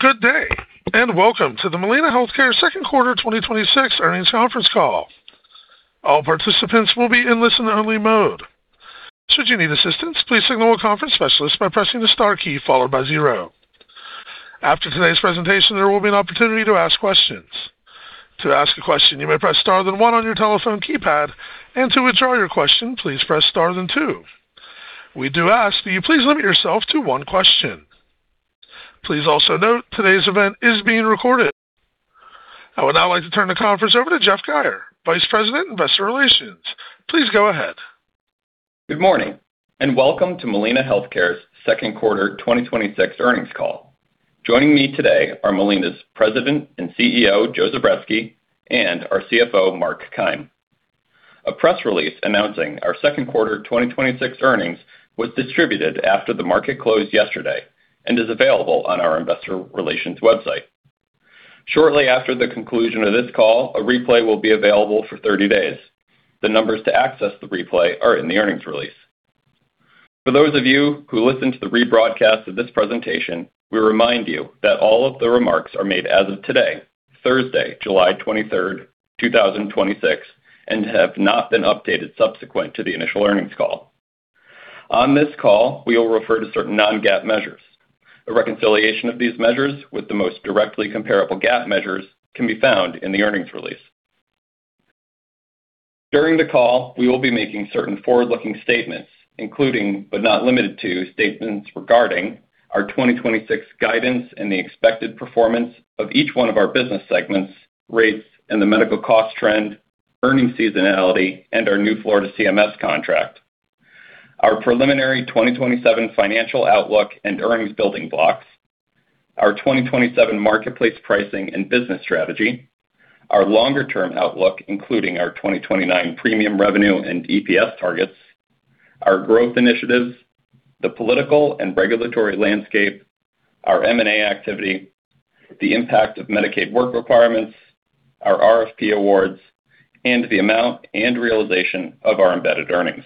Good day, and welcome to the Molina Healthcare Q2 2026 earnings conference call. All participants will be in listen-only mode. Should you need assistance, please signal a conference specialist by pressing the star key followed by 0. After today's presentation, there will be an opportunity to ask questions. To ask a question, you may press star then one on your telephone keypad, and to withdraw your question, please press star then two. We do ask that you please limit yourself to one question. Please also note today's event is being recorded. I would now like to turn the conference over to Jeff Geyer, Vice President, Investor Relations. Please go ahead. Good morning, and welcome to Molina Healthcare's Q2 2026 earnings call. Joining me today are Molina's President and CEO, Joe Zubretsky, and our CFO, Mark Keim. A press release announcing our Q2 2026 earnings was distributed after the market closed yesterday and is available on our investor relations website. Shortly after the conclusion of this call, a replay will be available for 30 days. The numbers to access the replay are in the earnings release. For those of you who listen to the rebroadcast of this presentation, we remind you that all of the remarks are made as of today, Thursday, July 23rd, 2026, and have not been updated subsequent to the initial earnings call. On this call, we will refer to certain non-GAAP measures. A reconciliation of these measures with the most directly comparable GAAP measures can be found in the earnings release. During the call, we will be making certain forward-looking statements, including, but not limited to, statements regarding our 2026 guidance and the expected performance of each one of our business segments, rates and the medical cost trend, earnings seasonality, and our new Florida CMS contract, our preliminary 2027 financial outlook and earnings building blocks, our 2027 Marketplace pricing and business strategy, our longer-term outlook, including our 2029 premium revenue and EPS targets, our growth initiatives, the political and regulatory landscape, our M&A activity, the impact of Medicaid work requirements, our RFP awards, and the amount and realization of our embedded earnings.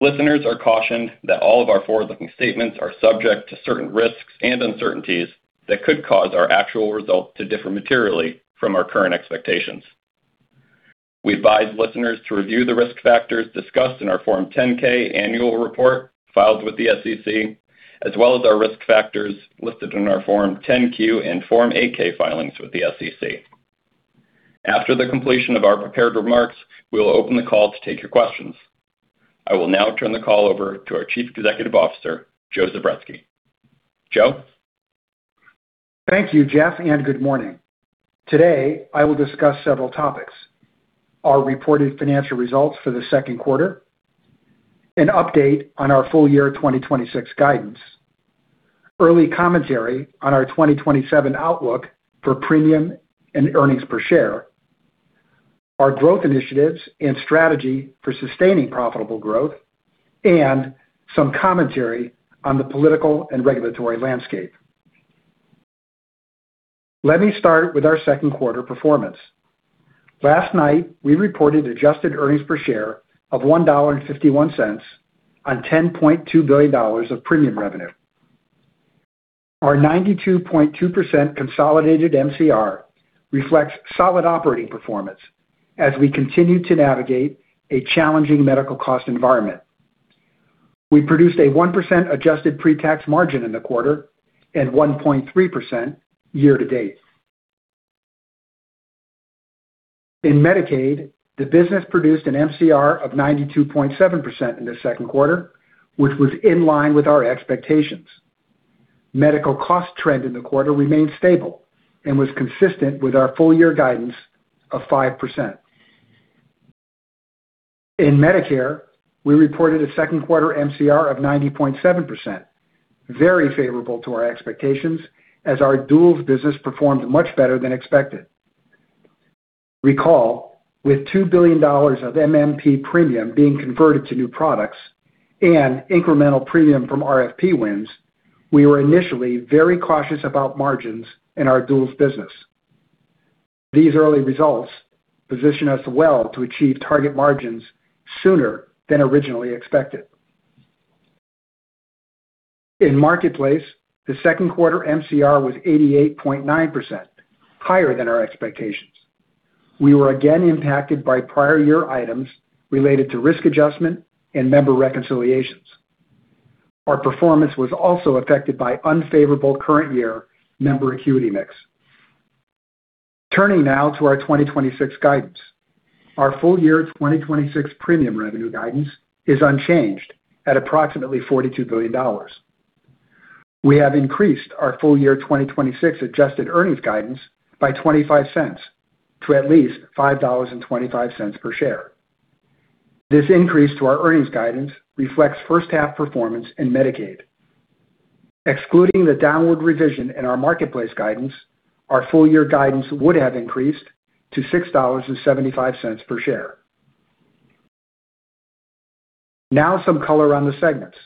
We advise listeners to review the risk factors discussed in our Form 10-K annual report filed with the SEC, as well as our risk factors listed in our Form 10-Q and Form 8-K filings with the SEC. After the completion of our prepared remarks, we will open the call to take your questions. I will now turn the call over to our Chief Executive Officer, Joe Zubretsky. Joe? Thank you, Jeff, and good morning. Today, I will discuss several topics: our reported financial results for the Q2, an update on our full year 2026 guidance, early commentary on our 2027 outlook for premium and earnings per share, our growth initiatives and strategy for sustaining profitable growth, and some commentary on the political and regulatory landscape. Let me start with our Q2 performance. Last night, we reported adjusted earnings per share of $1.51 on $10.2 billion of premium revenue. Our 92.2% consolidated MCR reflects solid operating performance as we continue to navigate a challenging medical cost environment. We produced a 1% adjusted pre-tax margin in the quarter and 1.3% year to date. In Medicaid, the business produced an MCR of 92.7% in the Q2, which was in line with our expectations. Medical cost trend in the quarter remained stable and was consistent with our full year guidance of 5%. In Medicare, we reported a Q2 MCR of 90.7%, very favorable to our expectations as our duals business performed much better than expected. Recall, with $2 billion of MMP premium being converted to new products and incremental premium from RFP wins, we were initially very cautious about margins in our duals business. These early results position us well to achieve target margins sooner than originally expected. In Marketplace, the Q2 MCR was 88.9%, higher than our expectations. We were again impacted by prior year items related to risk adjustment and member reconciliations. Our performance was also affected by unfavorable current year member acuity mix. Turning now to our 2026 guidance. Our full year 2026 premium revenue guidance is unchanged at approximately $42 billion. We have increased our full year 2026 adjusted earnings guidance by $0.25 to at least $5.25 per share. This increase to our earnings guidance reflects first half performance in Medicaid. Excluding the downward revision in our Marketplace guidance, our full year guidance would have increased to $6.75 per share. Now some color on the segments.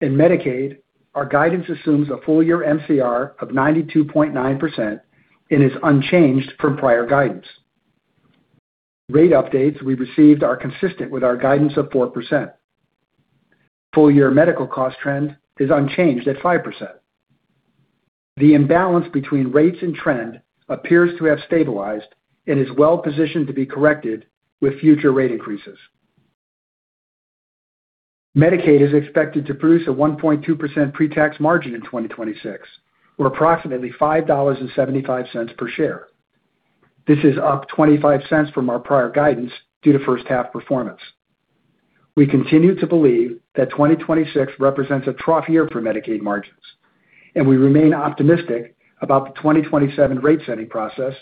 In Medicaid, our guidance assumes a full year MCR of 92.9% and is unchanged from prior guidance. Rate updates we received are consistent with our guidance of 4%. Full year medical cost trend is unchanged at 5%. The imbalance between rates and trend appears to have stabilized and is well positioned to be corrected with future rate increases. Medicaid is expected to produce a 1.2% pre-tax margin in 2026, or approximately $5.75 per share. This is up $0.25 from our prior guidance due to first half performance. We continue to believe that 2026 represents a trough year for Medicaid margins, and we remain optimistic about the 2027 rate-setting process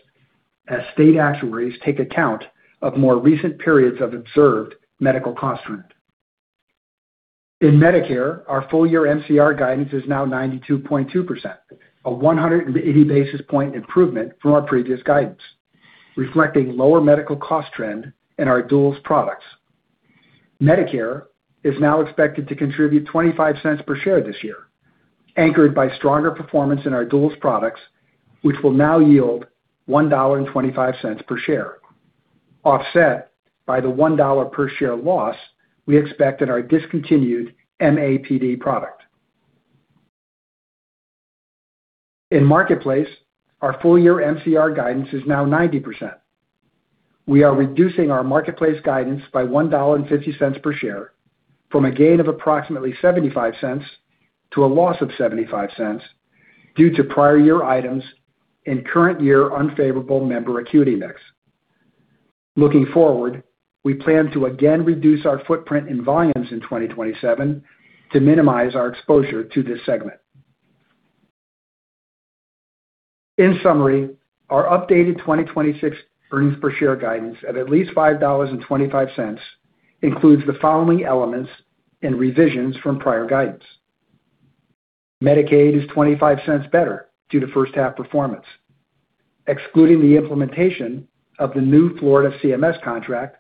as state actuaries take account of more recent periods of observed medical cost trend. In Medicare, our full year MCR guidance is now 92.2%, a 180 basis point improvement from our previous guidance, reflecting lower medical cost trend in our duals products. Medicare is now expected to contribute $0.25 per share this year, anchored by stronger performance in our duals products, which will now yield $1.25 per share, offset by the $1 per share loss we expect in our discontinued MAPD product. In Marketplace, our full year MCR guidance is now 90%. We are reducing our Marketplace guidance by $1.50 per share from a gain of approximately $0.75 to a loss of $0.75 due to prior year items and current year unfavorable member acuity mix. Looking forward, we plan to again reduce our footprint and volumes in 2027 to minimize our exposure to this segment. In summary, our updated 2026 earnings per share guidance of at least $5.25 includes the following elements and revisions from prior guidance. Medicaid is $0.25 better due to first half performance. Excluding the implementation of the new Florida CMS contract,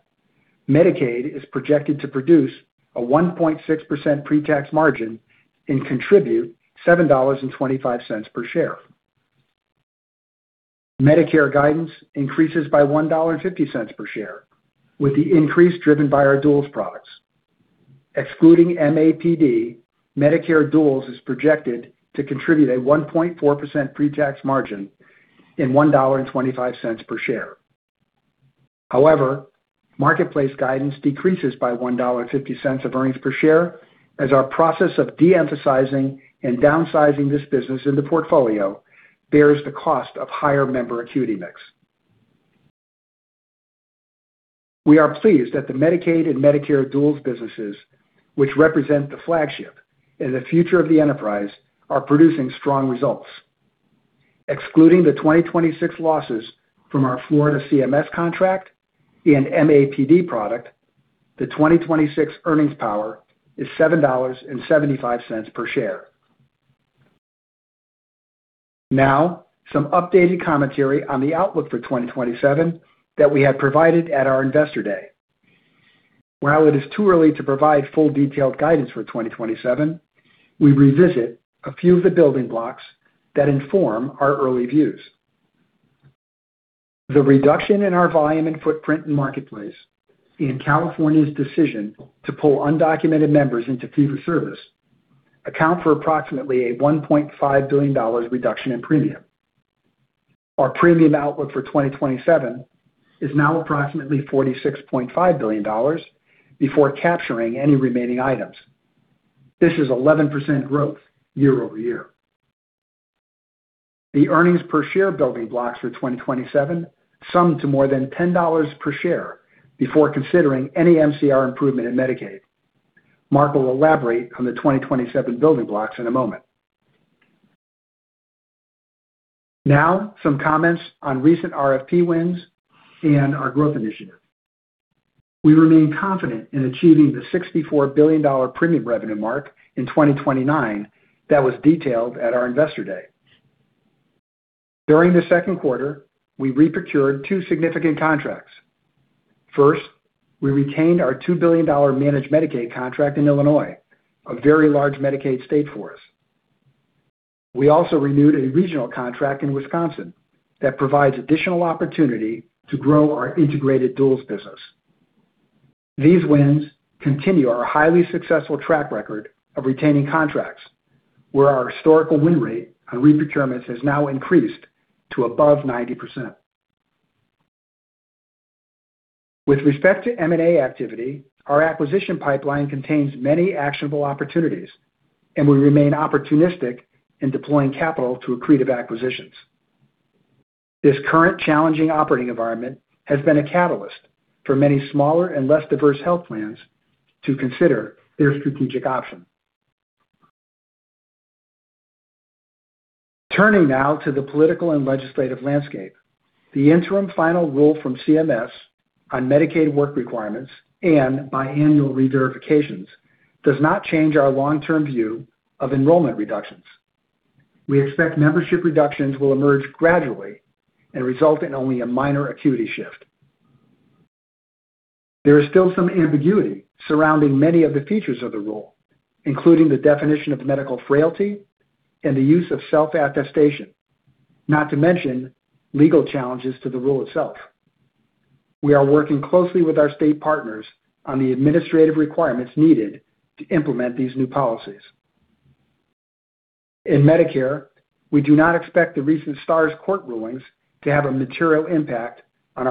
Medicaid is projected to produce a 1.6% pre-tax margin and contribute $7.25 per share. Medicare guidance increases by $1.50 per share, with the increase driven by our duals products. Excluding MAPD, Medicare duals is projected to contribute a 1.4% pre-tax margin and $1.25 per share. However, Marketplace guidance decreases by $1.50 of earnings per share as our process of de-emphasizing and downsizing this business in the portfolio bears the cost of higher member acuity mix. We are pleased that the Medicaid and Medicare duals businesses, which represent the flagship and the future of the enterprise, are producing strong results. Excluding the 2026 losses from our Florida CMS contract and MAPD product, the 2026 earnings power is $7.75 per share. Some updated commentary on the outlook for 2027 that we had provided at our Investor Day. While it is too early to provide full detailed guidance for 2027, we revisit a few of the building blocks that inform our early views. The reduction in our volume and footprint in Marketplace and California's decision to pull undocumented members into fee-for-service account for approximately a $1.5 billion reduction in premium. Our premium outlook for 2027 is now approximately $46.5 billion before capturing any remaining items. This is 11% growth year-over-year. The earnings per share building blocks for 2027 sum to more than $10 per share before considering any MCR improvement in Medicaid. Mark will elaborate on the 2027 building blocks in a moment. Some comments on recent RFP wins and our growth initiative. We remain confident in achieving the $64 billion premium revenue mark in 2029 that was detailed at our Investor Day. During the Q2, we re-procured two significant contracts. First, we retained our $2 billion Managed Medicaid contract in Illinois, a very large Medicaid state for us. We also renewed a regional contract in Wisconsin that provides additional opportunity to grow our integrated duals business. These wins continue our highly successful track record of retaining contracts, where our historical win rate on re-procurements has now increased to above 90%. With respect to M&A activity, our acquisition pipeline contains many actionable opportunities, and we remain opportunistic in deploying capital to accretive acquisitions. This current challenging operating environment has been a catalyst for many smaller and less diverse health plans to consider their strategic options. Turning now to the political and legislative landscape. The interim final rule from CMS on Medicaid work requirements and biannual reverifications does not change our long-term view of enrollment reductions. We expect membership reductions will emerge gradually and result in only a minor acuity shift. There is still some ambiguity surrounding many of the features of the rule, including the definition of medical frailty and the use of self-attestation, not to mention legal challenges to the rule itself. We are working closely with our state partners on the administrative requirements needed to implement these new policies. In Medicare, we do not expect the recent Stars court rulings to have a material impact on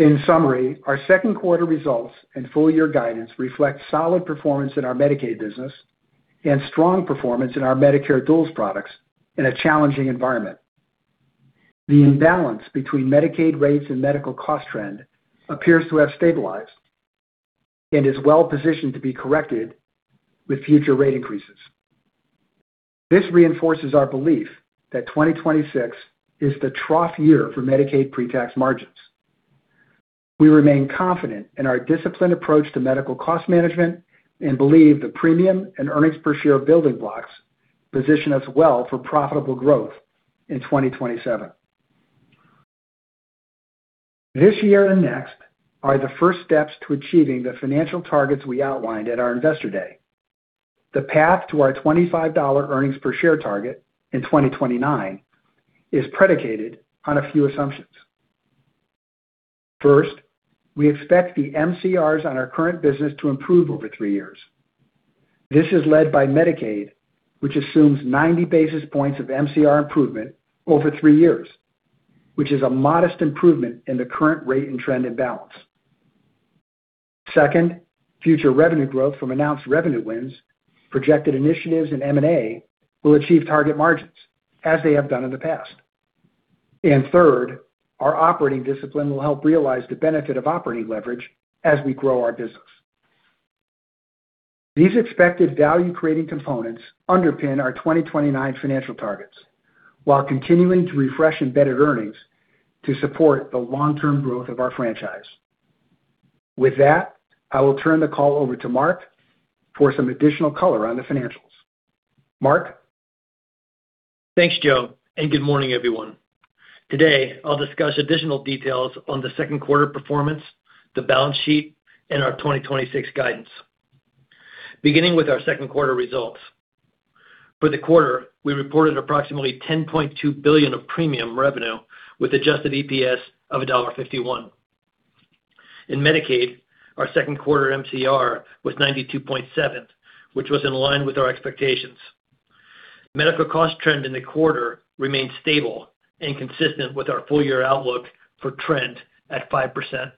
our business or product offerings. In summary, our Q2 results and full-year guidance reflect solid performance in our Medicaid business and strong performance in our Medicare dual products in a challenging environment. The imbalance between Medicaid rates and medical cost trend appears to have stabilized and is well-positioned to be corrected with future rate increases. This reinforces our belief that 2026 is the trough year for Medicaid pre-tax margins. We remain confident in our disciplined approach to medical cost management and believe the premium and earnings per share building blocks position us well for profitable growth in 2027. This year and next are the first steps to achieving the financial targets we outlined at our Investor Day. The path to our $25 earnings per share target in 2029 is predicated on a few assumptions. First, we expect the MCRs on our current business to improve over three years. This is led by Medicaid, which assumes 90 basis points of MCR improvement over three years, which is a modest improvement in the current rate and trend imbalance. Second, future revenue growth from announced revenue wins, projected initiatives in M&A will achieve target margins as they have done in the past. Third, our operating discipline will help realize the benefit of operating leverage as we grow our business. These expected value-creating components underpin our 2029 financial targets, while continuing to refresh embedded earnings to support the long-term growth of our franchise. With that, I will turn the call over to Mark for some additional color on the financials. Mark? Thanks, Joe, and good morning, everyone. Today, I'll discuss additional details on the Q2 performance, the balance sheet, and our 2026 guidance. Beginning with our Q2 results. For the quarter, we reported approximately $10.2 billion of premium revenue with adjusted EPS of $1.51. In Medicaid, our Q2 MCR was 92.7, which was in line with our expectations. Medical cost trend in the quarter remained stable and consistent with our full-year outlook for trend at 5%.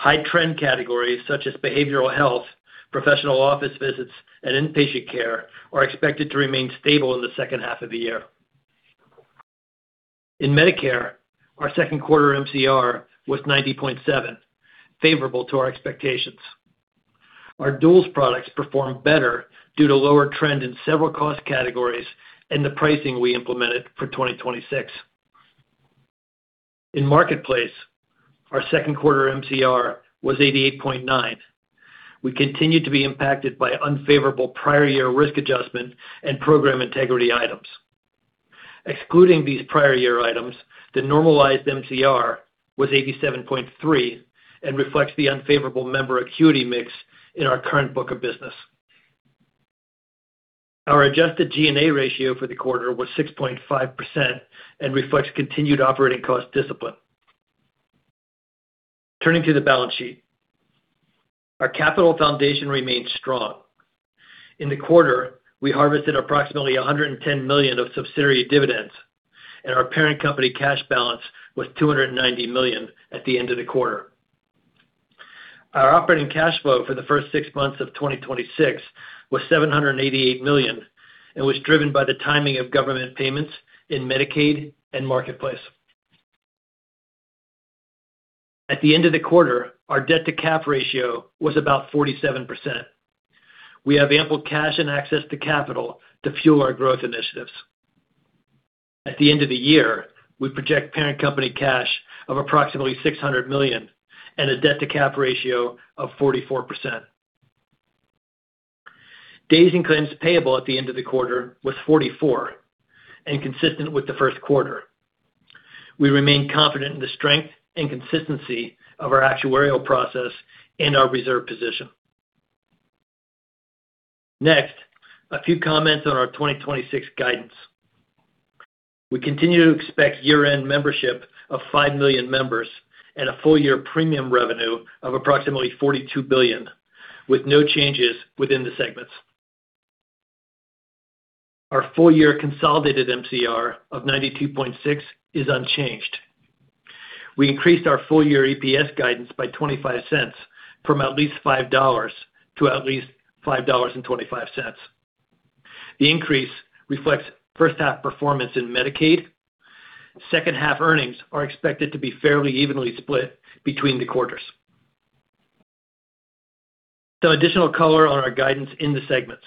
High-trend categories such as behavioral health, professional office visits, and inpatient care are expected to remain stable in the second half of the year. In Medicare, our Q2 MCR was 90.7, favorable to our expectations. Our duals products performed better due to lower trend in several cost categories and the pricing we implemented for 2026. In Marketplace, our Q2 MCR was 88.9. We continue to be impacted by unfavorable prior year risk adjustment and program integrity items. Excluding these prior year items, the normalized MCR was 87.3 and reflects the unfavorable member acuity mix in our current book of business. Our adjusted G&A ratio for the quarter was 6.5% and reflects continued operating cost discipline. Turning to the balance sheet. Our capital foundation remains strong. In the quarter, we harvested approximately $110 million of subsidiary dividends, and our parent company cash balance was $290 million at the end of the quarter. Our operating cash flow for the first six months of 2026 was $788 million and was driven by the timing of government payments in Medicaid and Marketplace. At the end of the quarter, our debt-to-cap ratio was about 47%. We have ample cash and access to capital to fuel our growth initiatives. At the end of the year, we project parent company cash of approximately $600 million and a debt-to-cap ratio of 44%. Days in claims payable at the end of the quarter was 44 and consistent with the Q1. We remain confident in the strength and consistency of our actuarial process and our reserve position. Next, a few comments on our 2026 guidance. We continue to expect year-end membership of five million members and a full-year premium revenue of approximately $42 billion, with no changes within the segments. Our full-year consolidated MCR of 92.6 is unchanged. We increased our full-year EPS guidance by $0.25 from at least $5 to at least $5.25. The increase reflects first half performance in Medicaid. Second half earnings are expected to be fairly evenly split between the quarters. Some additional color on our guidance in the segments.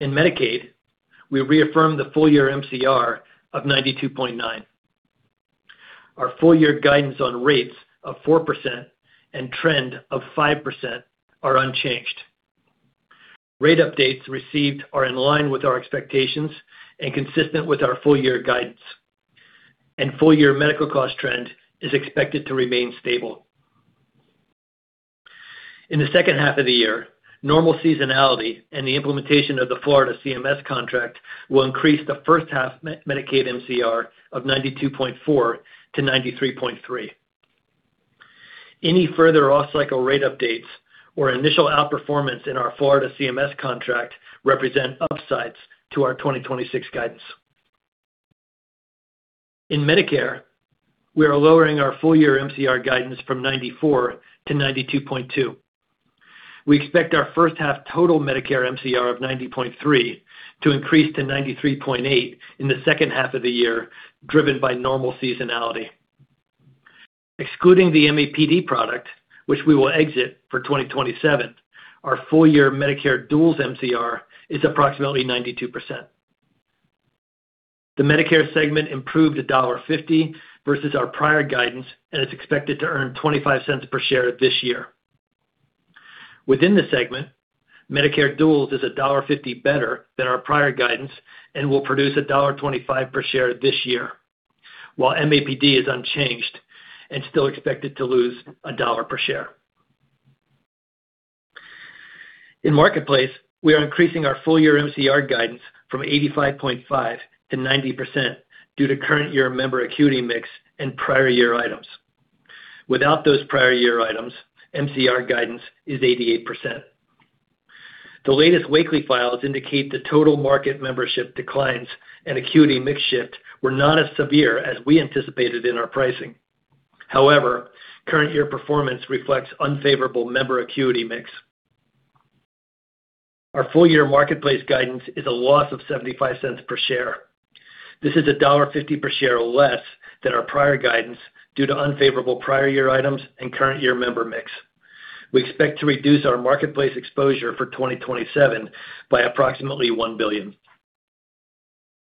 In Medicaid, we reaffirm the full-year MCR of 92.9. Our full-year guidance on rates of 4% and trend of 5% are unchanged. Rate updates received are in line with our expectations and consistent with our full year guidance. Full year medical cost trend is expected to remain stable. In the second half of the year, normal seasonality and the implementation of the Florida CMS contract will increase the first half Medicaid MCR of 92.4-93.3. Any further off-cycle rate updates or initial outperformance in our Florida CMS contract represent upsides to our 2026 guidance. In Medicare, we are lowering our full year MCR guidance from 94-92.2. We expect our first half total Medicare MCR of 90.3 to increase to 93.8 in the second half of the year, driven by normal seasonality. Excluding the MAPD product, which we will exit for 2027, our full year Medicare Duals MCR is approximately 92%. The Medicare segment improved $1.50 versus our prior guidance, is expected to earn $0.25 per share this year. Within the segment, Medicare Duals is $1.50 better than our prior guidance and will produce $1.25 per share this year, while MAPD is unchanged and still expected to lose $1 per share. In Marketplace, we are increasing our full year MCR guidance from 85.5%-90% due to current year member acuity mix and prior year items. Without those prior year items, MCR guidance is 88%. The latest weekly files indicate the total market membership declines and acuity mix shift were not as severe as we anticipated in our pricing. However, current year performance reflects unfavorable member acuity mix. Our full year Marketplace guidance is a loss of $0.75 per share. This is $1.50 per share less than our prior guidance due to unfavorable prior year items and current year member mix. We expect to reduce our Marketplace exposure for 2027 by approximately $1 billion.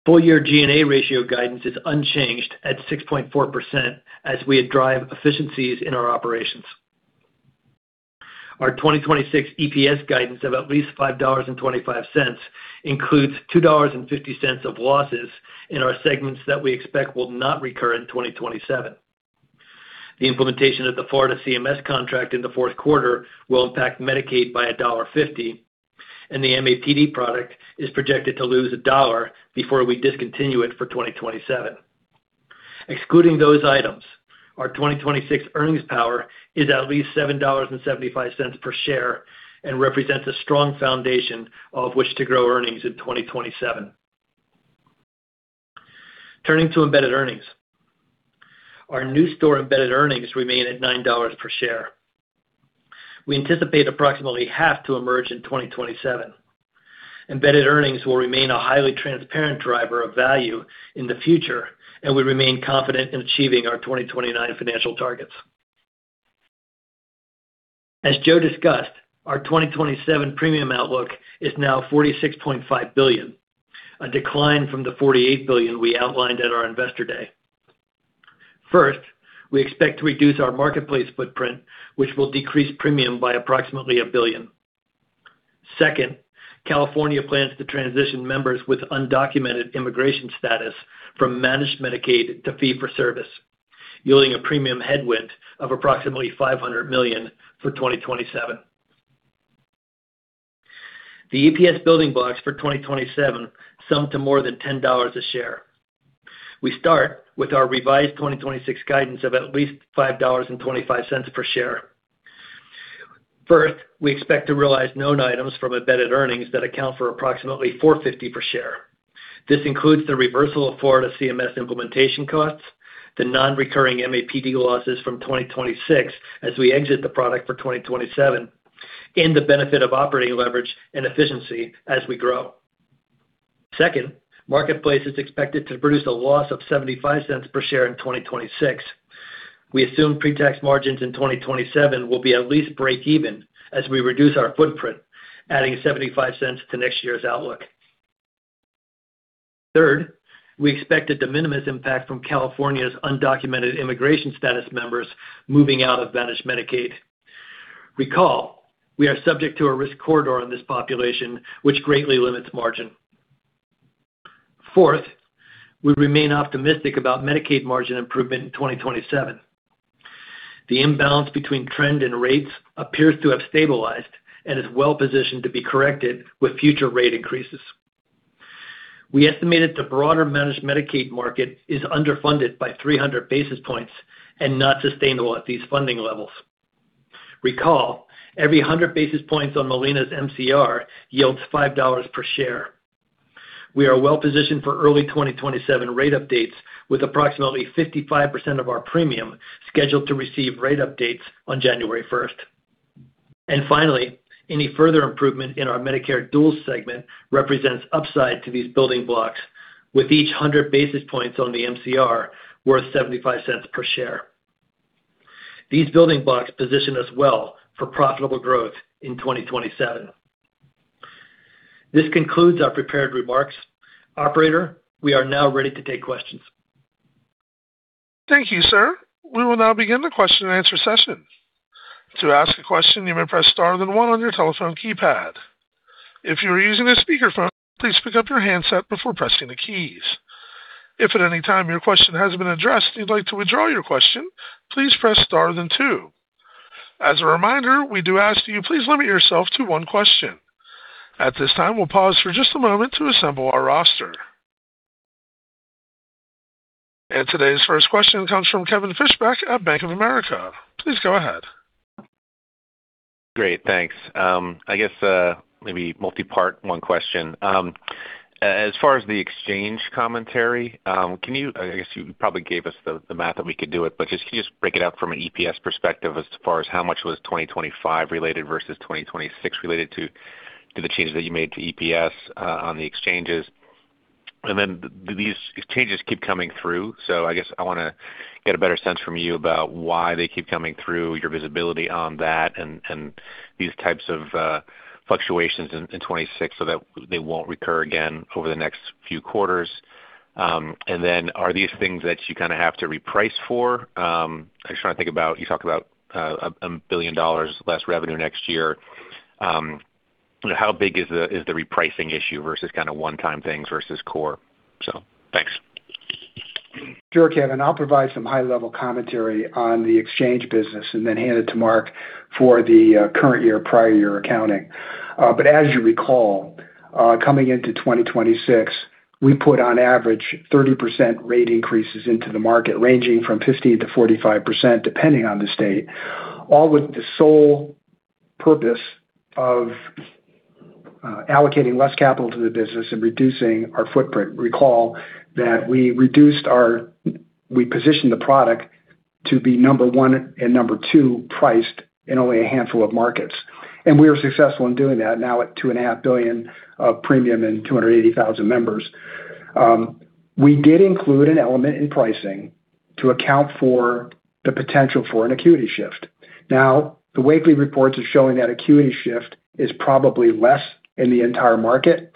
Full year G&A ratio guidance is unchanged at 6.4% as we drive efficiencies in our operations. Our 2026 EPS guidance of at least $5.25 includes $2.50 of losses in our segments that we expect will not recur in 2027. The implementation of the Florida CMS contract in the Q4 will impact Medicaid by $1.50. The MAPD product is projected to lose $1 before we discontinue it for 2027. Excluding those items, our 2026 earnings power is at least $7.75 per share and represents a strong foundation of which to grow earnings in 2027. Turning to embedded earnings. Our new store embedded earnings remain at $9 per share. We anticipate approximately half to emerge in 2027. Embedded earnings will remain a highly transparent driver of value in the future, and we remain confident in achieving our 2029 financial targets. As Joe discussed, our 2027 premium outlook is now $46.5 billion, a decline from the $48 billion we outlined at our Investor Day. First, we expect to reduce our Marketplace footprint, which will decrease premium by approximately $1 billion. Second, California plans to transition members with undocumented immigration status from Managed Medicaid to fee-for-service, yielding a premium headwind of approximately $500 million for 2027. The EPS building blocks for 2027 sum to more than $10 a share. We start with our revised 2026 guidance of at least $5.25 per share. First, we expect to realize known items from embedded earnings that account for approximately $4.50 per share. This includes the reversal of Florida CMS implementation costs, the non-recurring MAPD losses from 2026 as we exit the product for 2027, and the benefit of operating leverage and efficiency as we grow. Second, Marketplace is expected to produce a loss of $0.75 per share in 2026. We assume pre-tax margins in 2027 will be at least break even as we reduce our footprint, adding $0.75 to next year's outlook. Third, we expect a de minimis impact from California's undocumented immigration status members moving out of Managed Medicaid. Recall, we are subject to a risk corridor in this population, which greatly limits margin. Fourth, we remain optimistic about Medicaid margin improvement in 2027. The imbalance between trend and rates appears to have stabilized and is well positioned to be corrected with future rate increases. We estimate that the broader Managed Medicaid market is underfunded by 300 basis points and not sustainable at these funding levels. Recall, every 100 basis points on Molina's MCR yields $5 per share. We are well positioned for early 2027 rate updates with approximately 55% of our premium scheduled to receive rate updates on January 1st. Finally, any further improvement in our Medicare Duals segment represents upside to these building blocks, with each 100 basis points on the MCR worth $0.75 per share. These building blocks position us well for profitable growth in 2027. This concludes our prepared remarks. Operator, we are now ready to take questions. Thank you, sir. We will now begin the question and answer session. To ask a question, you may press star then one on your telephone keypad. If you're using a speakerphone, please pick up your handset before pressing the keys. If at any time your question has been addressed and you'd like to withdraw your question, please press star then two. As a reminder, we do ask that you please limit yourself to one question. At this time, we'll pause for just a moment to assemble our roster. Today's first question comes from Kevin Fischbeck at Bank of America. Please go ahead. Great, thanks. I guess, maybe multi-part one question. As far as the exchange commentary, I guess you probably gave us the math that we could do it, but can you just break it up from an EPS perspective as far as how much was 2025 related versus 2026 related to the changes that you made to EPS, on the exchanges? Do these changes keep coming through? I guess I want to get a better sense from you about why they keep coming through, your visibility on that, and these types of fluctuations in 2026 so that they won't recur again over the next few quarters. Are these things that you kind of have to reprice for? I'm just trying to think about, you talk about $1 billion less revenue next year. How big is the repricing issue versus kind of one-time things versus core? Thanks. Sure, Kevin. I'll provide some high level commentary on the exchange business and then hand it to Mark for the current year, prior year accounting. As you recall, coming into 2026, we put on average 30% rate increases into the market, ranging from 15%-45%, depending on the state, all with the sole purpose of allocating less capital to the business and reducing our footprint. Recall that we positioned the product to be number one and number two priced in only a handful of markets. We were successful in doing that, now at $2.5 billion of premium and 280,000 members. We did include an element in pricing to account for the potential for an acuity shift. Now, the weekly reports are showing that acuity shift is probably less in the entire market,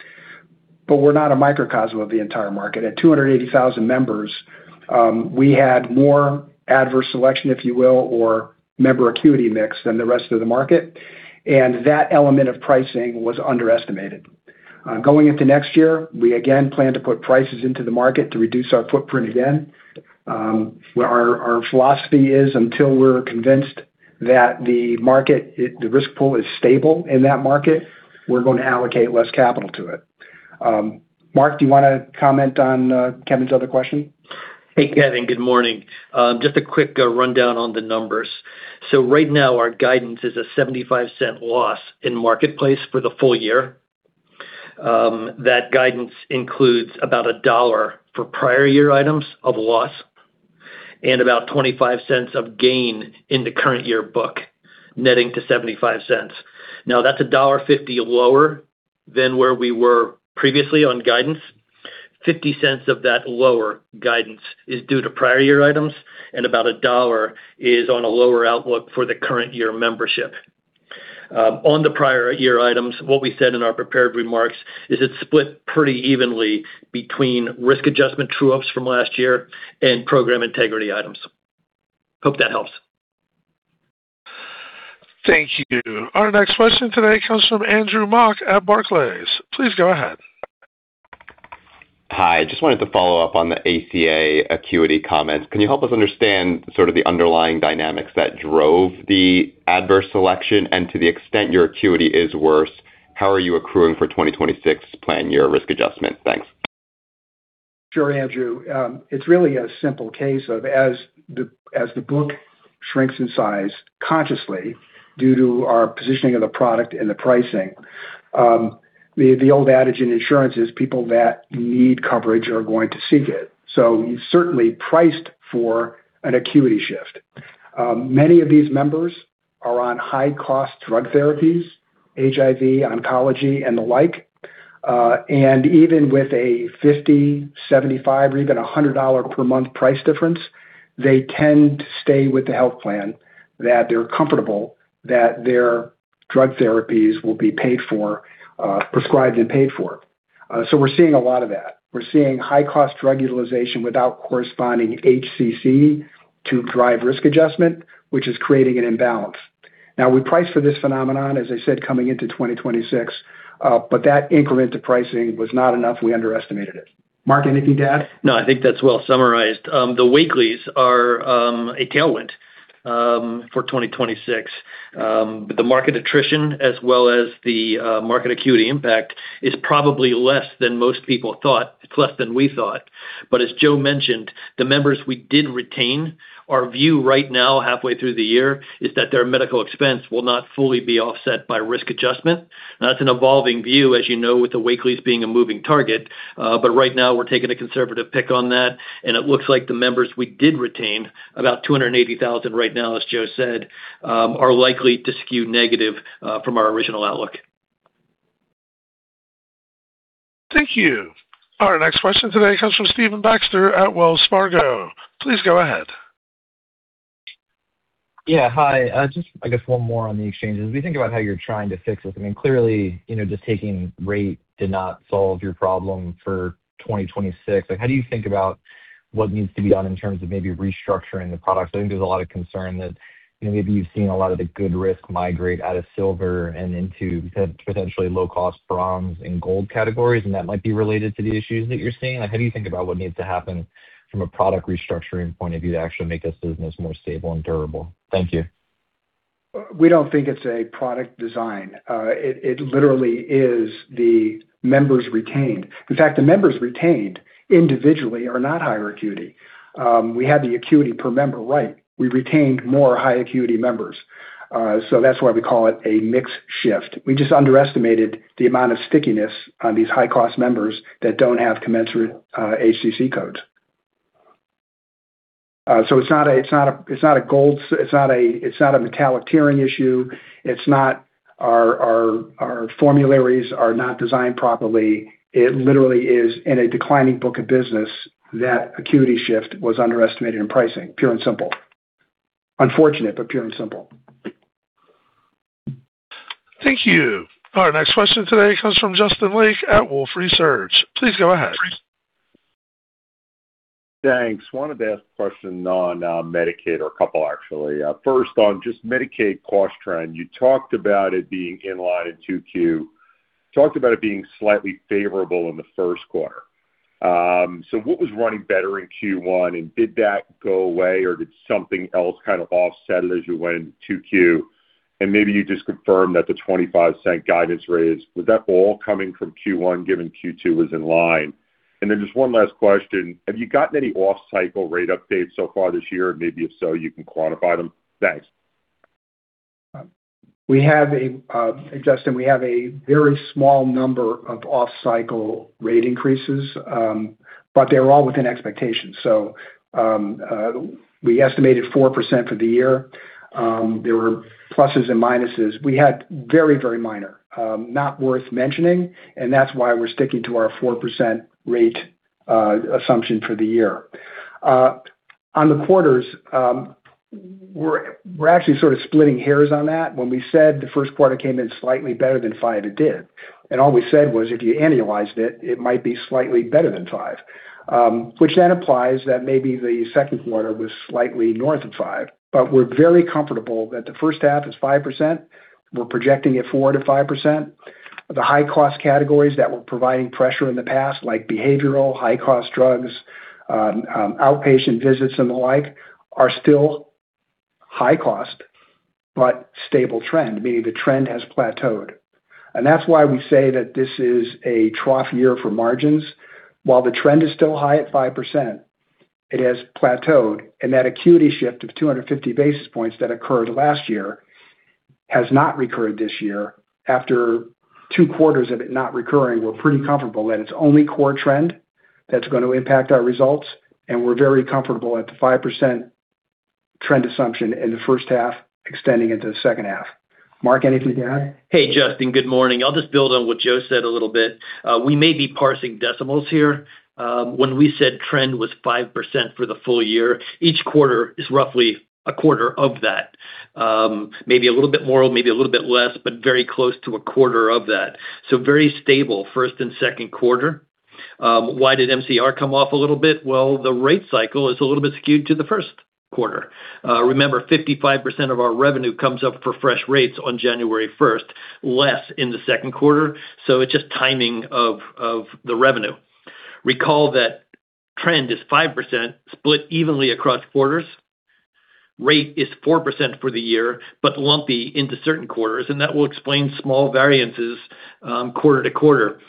but we're not a microcosm of the entire market. At 280,000 members, we had more adverse selection, if you will, or member acuity mix than the rest of the market, and that element of pricing was underestimated. Going into next year, we again plan to put prices into the market to reduce our footprint again. Our philosophy is until we're convinced that the risk pool is stable in that market, we're going to allocate less capital to it. Mark, do you want to comment on Kevin's other question? Hey, Kevin, good morning. Just a quick rundown on the numbers. Right now, our guidance is a $0.75 loss in Marketplace for the full year. That guidance includes about $1 for prior year items of loss and about $0.25 of gain in the current year book, netting to $0.75. That's $1.50 lower than where we were previously on guidance. $0.50 of that lower guidance is due to prior year items, and about $1 is on a lower outlook for the current year membership. On the prior year items, what we said in our prepared remarks is it's split pretty evenly between risk adjustment true-ups from last year and program integrity items. Hope that helps. Thank you. Our next question today comes from Andrew Mok at Barclays. Please go ahead. Hi. Just wanted to follow up on the ACA acuity comments. Can you help us understand sort of the underlying dynamics that drove the adverse selection? To the extent your acuity is worse, how are you accruing for 2026 plan year risk adjustment? Thanks. Sure, Andrew. It's really a simple case of as the book shrinks in size consciously due to our positioning of the product and the pricing. The old adage in insurance is people that need coverage are going to seek it. We've certainly priced for an acuity shift. Many of these members are on high-cost drug therapies, HIV, oncology, and the like. Even with a $50, $75 or even $100 per month price difference, they tend to stay with the health plan that they're comfortable that their drug therapies will be prescribed and paid for. We're seeing a lot of that. We're seeing high cost drug utilization without corresponding HCC to drive risk adjustment, which is creating an imbalance. We priced for this phenomenon, as I said, coming into 2026. That increment to pricing was not enough. We underestimated it. Mark, anything to add? No. I think that's well summarized. The weeklies are a tailwind for 2026. The market attrition as well as the market acuity impact is probably less than most people thought. It's less than we thought. As Joe mentioned, the members we did retain, our view right now, halfway through the year, is that their medical expense will not fully be offset by risk adjustment. That's an evolving view, as you know, with the weeklies being a moving target. Right now, we're taking a conservative pick on that, and it looks like the members we did retain, about 280,000 right now, as Joe said, are likely to skew negative from our original outlook. Thank you. Our next question today comes from Stephen Baxter at Wells Fargo. Please go ahead. Yeah. Hi. Just I guess one more on the exchanges. When you think about how you're trying to fix this, clearly, just taking rate did not solve your problem for 2026. How do you think about what needs to be done in terms of maybe restructuring the products? I think there's a lot of concern that maybe you've seen a lot of the good risk migrate out of silver and into potentially low-cost bronze and gold categories, and that might be related to the issues that you're seeing. How do you think about what needs to happen from a product restructuring point of view to actually make this business more stable and durable? Thank you. We don't think it's a product design. It literally is the members retained. In fact, the members retained individually are not higher acuity. We had the acuity per member right. We retained more high acuity members. That's why we call it a mix shift. We just underestimated the amount of stickiness on these high-cost members that don't have commensurate HCC codes. It's not a metallic tiering issue. It's not our formularies are not designed properly. It literally is in a declining book of business that acuity shift was underestimated in pricing, pure and simple. Unfortunate, pure and simple. Thank you. Our next question today comes from Justin Lake at Wolfe Research. Please go ahead. Thanks. Wanted to ask a question on Medicaid, or a couple actually. First on just Medicaid cost trend. You talked about it being in line in Q2, talked about it being slightly favorable in the Q1. What was running better in Q1, and did that go away, or did something else kind of offset it as you went into Q2? Maybe you just confirm that the $0.25 guidance raise, was that all coming from Q1, given Q2 was in line? Just one last question, have you gotten any off-cycle rate updates so far this year? Maybe if so, you can quantify them. Thanks. Justin, we have a very small number of off-cycle rate increases, but they're all within expectations. We estimated 4% for the year. There were pluses and minuses. We had very minor, not worth mentioning, that's why we're sticking to our 4% rate assumption for the year. On the quarters, we're actually sort of splitting hairs on that. When we said the Q1 came in slightly better than 5%, it did. All we said was, if you annualized it might be slightly better than 5%, which then implies that maybe the Q2 was slightly north of 5%. We're very comfortable that the first half is 5%. We're projecting it 4%-5%. The high-cost categories that were providing pressure in the past, like behavioral, high-cost drugs, outpatient visits, and the like, are still high cost, but stable trend, meaning the trend has plateaued. That's why we say that this is a trough year for margins. While the trend is still high at 5%, it has plateaued, that acuity shift of 250 basis points that occurred last year has not recurred this year. After two quarters of it not recurring, we're pretty comfortable that it's only core trend that's going to impact our results, we're very comfortable at the 5% trend assumption in the first half extending into the second half. Mark, anything to add? Hey, Justin. Good morning. I'll just build on what Joe said a little bit. We may be parsing decimals here. When we said trend was 5% for the full year, each quarter is roughly a quarter of that. Maybe a little bit more, or maybe a little bit less, but very close to a quarter of that. Very stable Q1 and Q2. Why did MCR come off a little bit? The rate cycle is a little bit skewed to the Q1. Remember, 55% of our revenue comes up for fresh rates on January 1st, less in the Q2, so it's just timing of the revenue. Recall that trend is 5% split evenly across quarters. Rate is 4% for the year, but lumpy into certain quarters, and that will explain small variances quarter-to-quarter.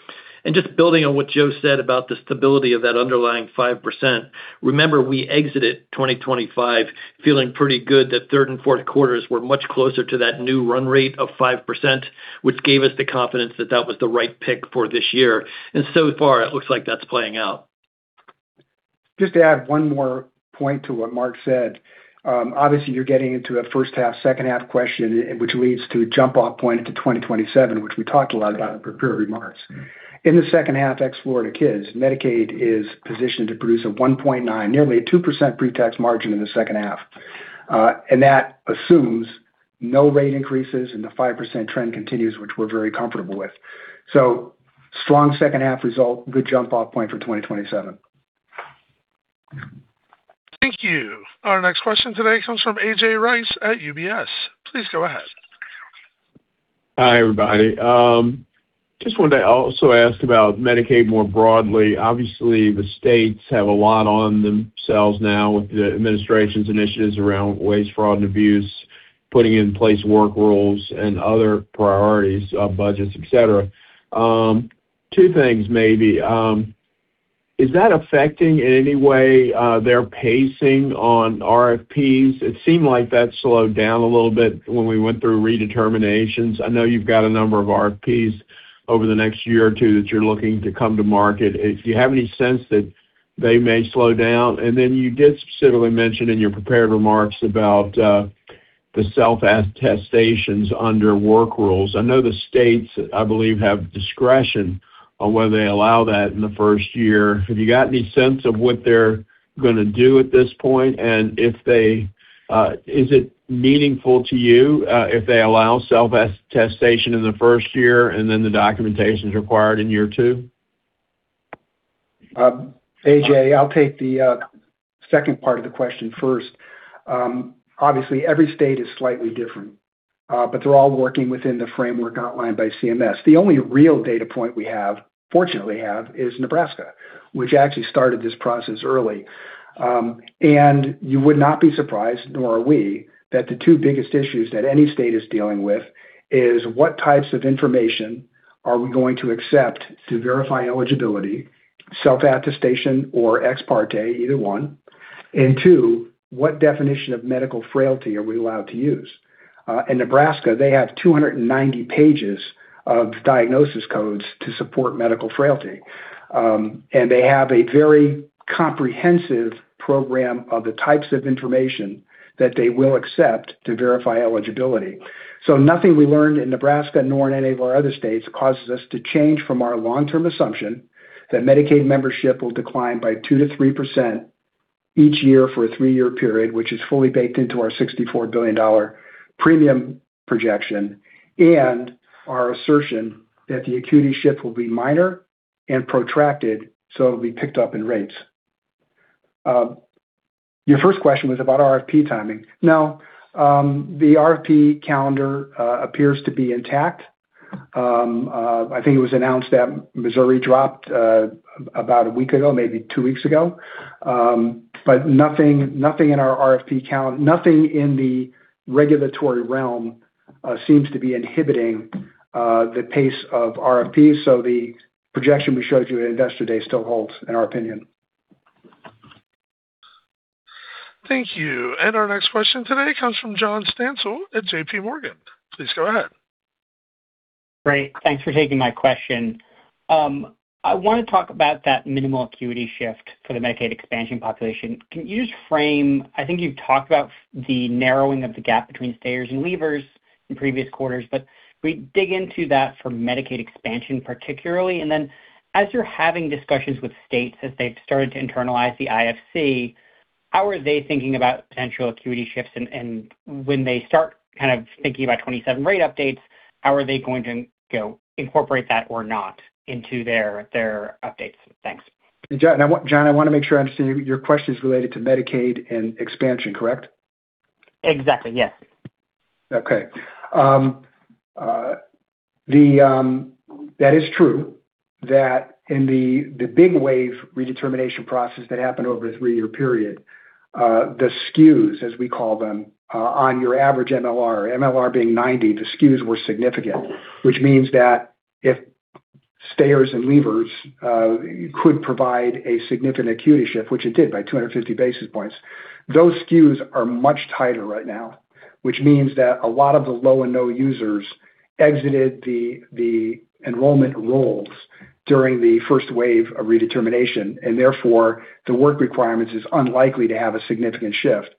Just building on what Joe said about the stability of that underlying 5%, remember we exited 2025 feeling pretty good that Q3 and Q4s were much closer to that new run rate of 5%, which gave us the confidence that that was the right pick for this year. So far, it looks like that's playing out. Just to add one more point to what Mark said. Obviously, you're getting into a first half, second half question, which leads to a jump-off point into 2027, which we talked a lot about in prepared remarks. In the second half, ex Florida KidCare, Medicaid is positioned to produce a 1.9, nearly a 2% pre-tax margin in the second half. That assumes no rate increases and the 5% trend continues, which we're very comfortable with. Strong second half result, good jump-off point for 2027. Thank you. Our next question today comes from A.J. Rice at UBS. Please go ahead. Hi, everybody. Just wanted to also ask about Medicaid more broadly. Obviously, the states have a lot on themselves now with the administration's initiatives around waste, fraud, and abuse, putting in place work rules and other priorities, budgets, et cetera. Two things maybe. Is that affecting in any way their pacing on RFPs? It seemed like that slowed down a little bit when we went through redeterminations. I know you've got a number of RFPs over the next year or two that you're looking to come to market. Do you have any sense that they may slow down? You did specifically mention in your prepared remarks about the self-attestations under work rules. I know the states, I believe, have discretion on whether they allow that in the first year. Have you got any sense of what they're going to do at this point? Is it meaningful to you if they allow self-attestation in the first year, and then the documentation's required in year two? A.J., I'll take the second part of the question first. Obviously, every state is slightly different, but they're all working within the framework outlined by CMS. The only real data point we have is Nebraska, which actually started this process early. You would not be surprised, nor are we, that the two biggest issues that any state is dealing with is what types of information are we going to accept to verify eligibility, self-attestation or ex parte, either one, and two, what definition of medical frailty are we allowed to use? In Nebraska, they have 290 pages of diagnosis codes to support medical frailty. They have a very comprehensive program of the types of information that they will accept to verify eligibility. Nothing we learned in Nebraska, nor in any of our other states, causes us to change from our long-term assumption that Medicaid membership will decline by 2%-3% each year for a three-year period, which is fully baked into our $64 billion premium projection, and our assertion that the acuity shift will be minor and protracted, so it'll be picked up in rates. Your first question was about RFP timing. No, the RFP calendar appears to be intact. I think it was announced that Missouri dropped about a week ago, maybe two weeks ago. Nothing in the regulatory realm seems to be inhibiting the pace of RFP, so the projection we showed you at Investor Day still holds, in our opinion. Thank you. Our next question today comes from John Stansel at J.P. Morgan. Please go ahead. Great. Thanks for taking my question. I want to talk about that minimal acuity shift for the Medicaid expansion population. Can you just frame, I think you've talked about the narrowing of the gap between stayers and leavers in previous quarters, but can we dig into that for Medicaid expansion particularly? Then as you're having discussions with states as they've started to internalize the IFR, how are they thinking about potential acuity shifts? When they start kind of thinking about 2027 rate updates, how are they going to incorporate that or not into their updates? Thanks. John, I want to make sure I understand. Your question is related to Medicaid and expansion, correct? Exactly, yes. Okay. That is true that in the big wave redetermination process that happened over a three-year period, the skews, as we call them, on your average MLR, MLR being 90, the skews were significant, which means that if stayers and leavers could provide a significant acuity shift, which it did by 250 basis points, those skews are much tighter right now, which means that a lot of the low and no users exited the enrollment rolls during the first wave of redetermination, therefore, the work requirements is unlikely to have a significant shift.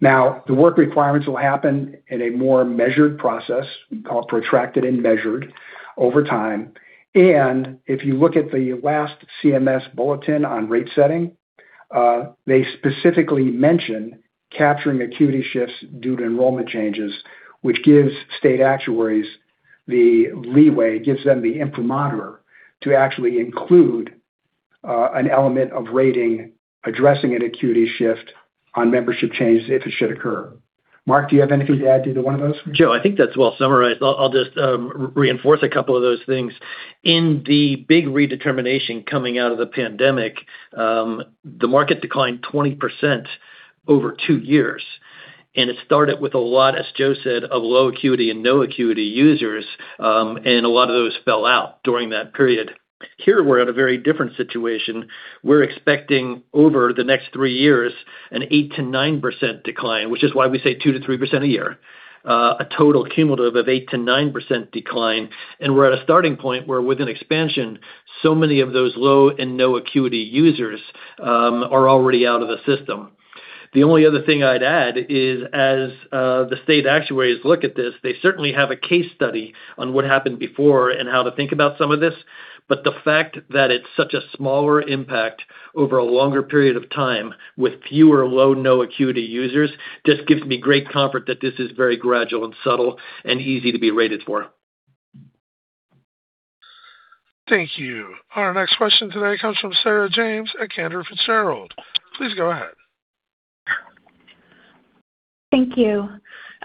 The work requirements will happen in a more measured process, call it protracted and measured over time. If you look at the last CMS bulletin on rate setting, they specifically mention capturing acuity shifts due to enrollment changes, which gives state actuaries the leeway, gives them the imprimatur to actually include an element of rating, addressing an acuity shift on membership changes if it should occur. Mark, do you have anything to add to the one of those? Joe, I think that's well summarized. I'll just reinforce a couple of those things. In the big redetermination coming out of the pandemic, the market declined 20% over two years, it started with a lot, as Joe said, of low acuity and no acuity users, and a lot of those fell out during that period. We're at a very different situation. We're expecting over the next three years an 8%-9% decline, which is why we say 2%-3% a year. A total cumulative of 8%-9% decline. We're at a starting point where within expansion, so many of those low and no acuity users are already out of the system. The only other thing I'd add is as the state actuaries look at this, they certainly have a case study on what happened before and how to think about some of this. The fact that it's such a smaller impact over a longer period of time with fewer low/no acuity users just gives me great comfort that this is very gradual and subtle and easy to be rated for. Thank you. Our next question today comes from Sarah James at Cantor Fitzgerald. Please go ahead. Thank you.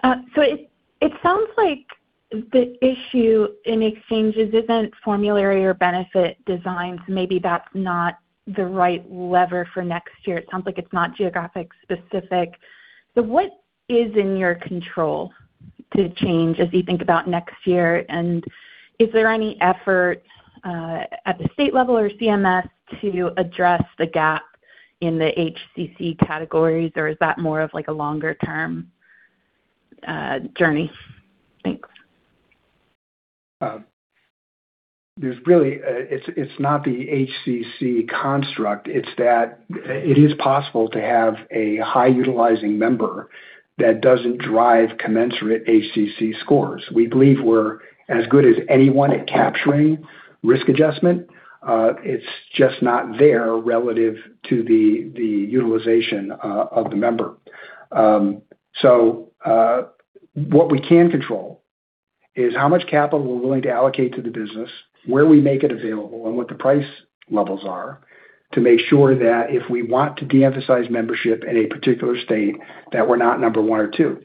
It sounds like the issue in Marketplace isn't formulary or benefit designs. Maybe that's not the right lever for next year. It sounds like it's not geographic specific. What is in your control to change as you think about next year? Is there any effort, at the state level or CMS to address the gap in the HCC categories? Is that more of a longer-term journey? Thanks. It's not the HCC construct, it's that it is possible to have a high utilizing member that doesn't drive commensurate HCC scores. We believe we're as good as anyone at capturing risk adjustment. It's just not there relative to the utilization of the member. What we can control is how much capital we're willing to allocate to the business, where we make it available, and what the price levels are to make sure that if we want to de-emphasize membership in a particular state, that we're not number one or two.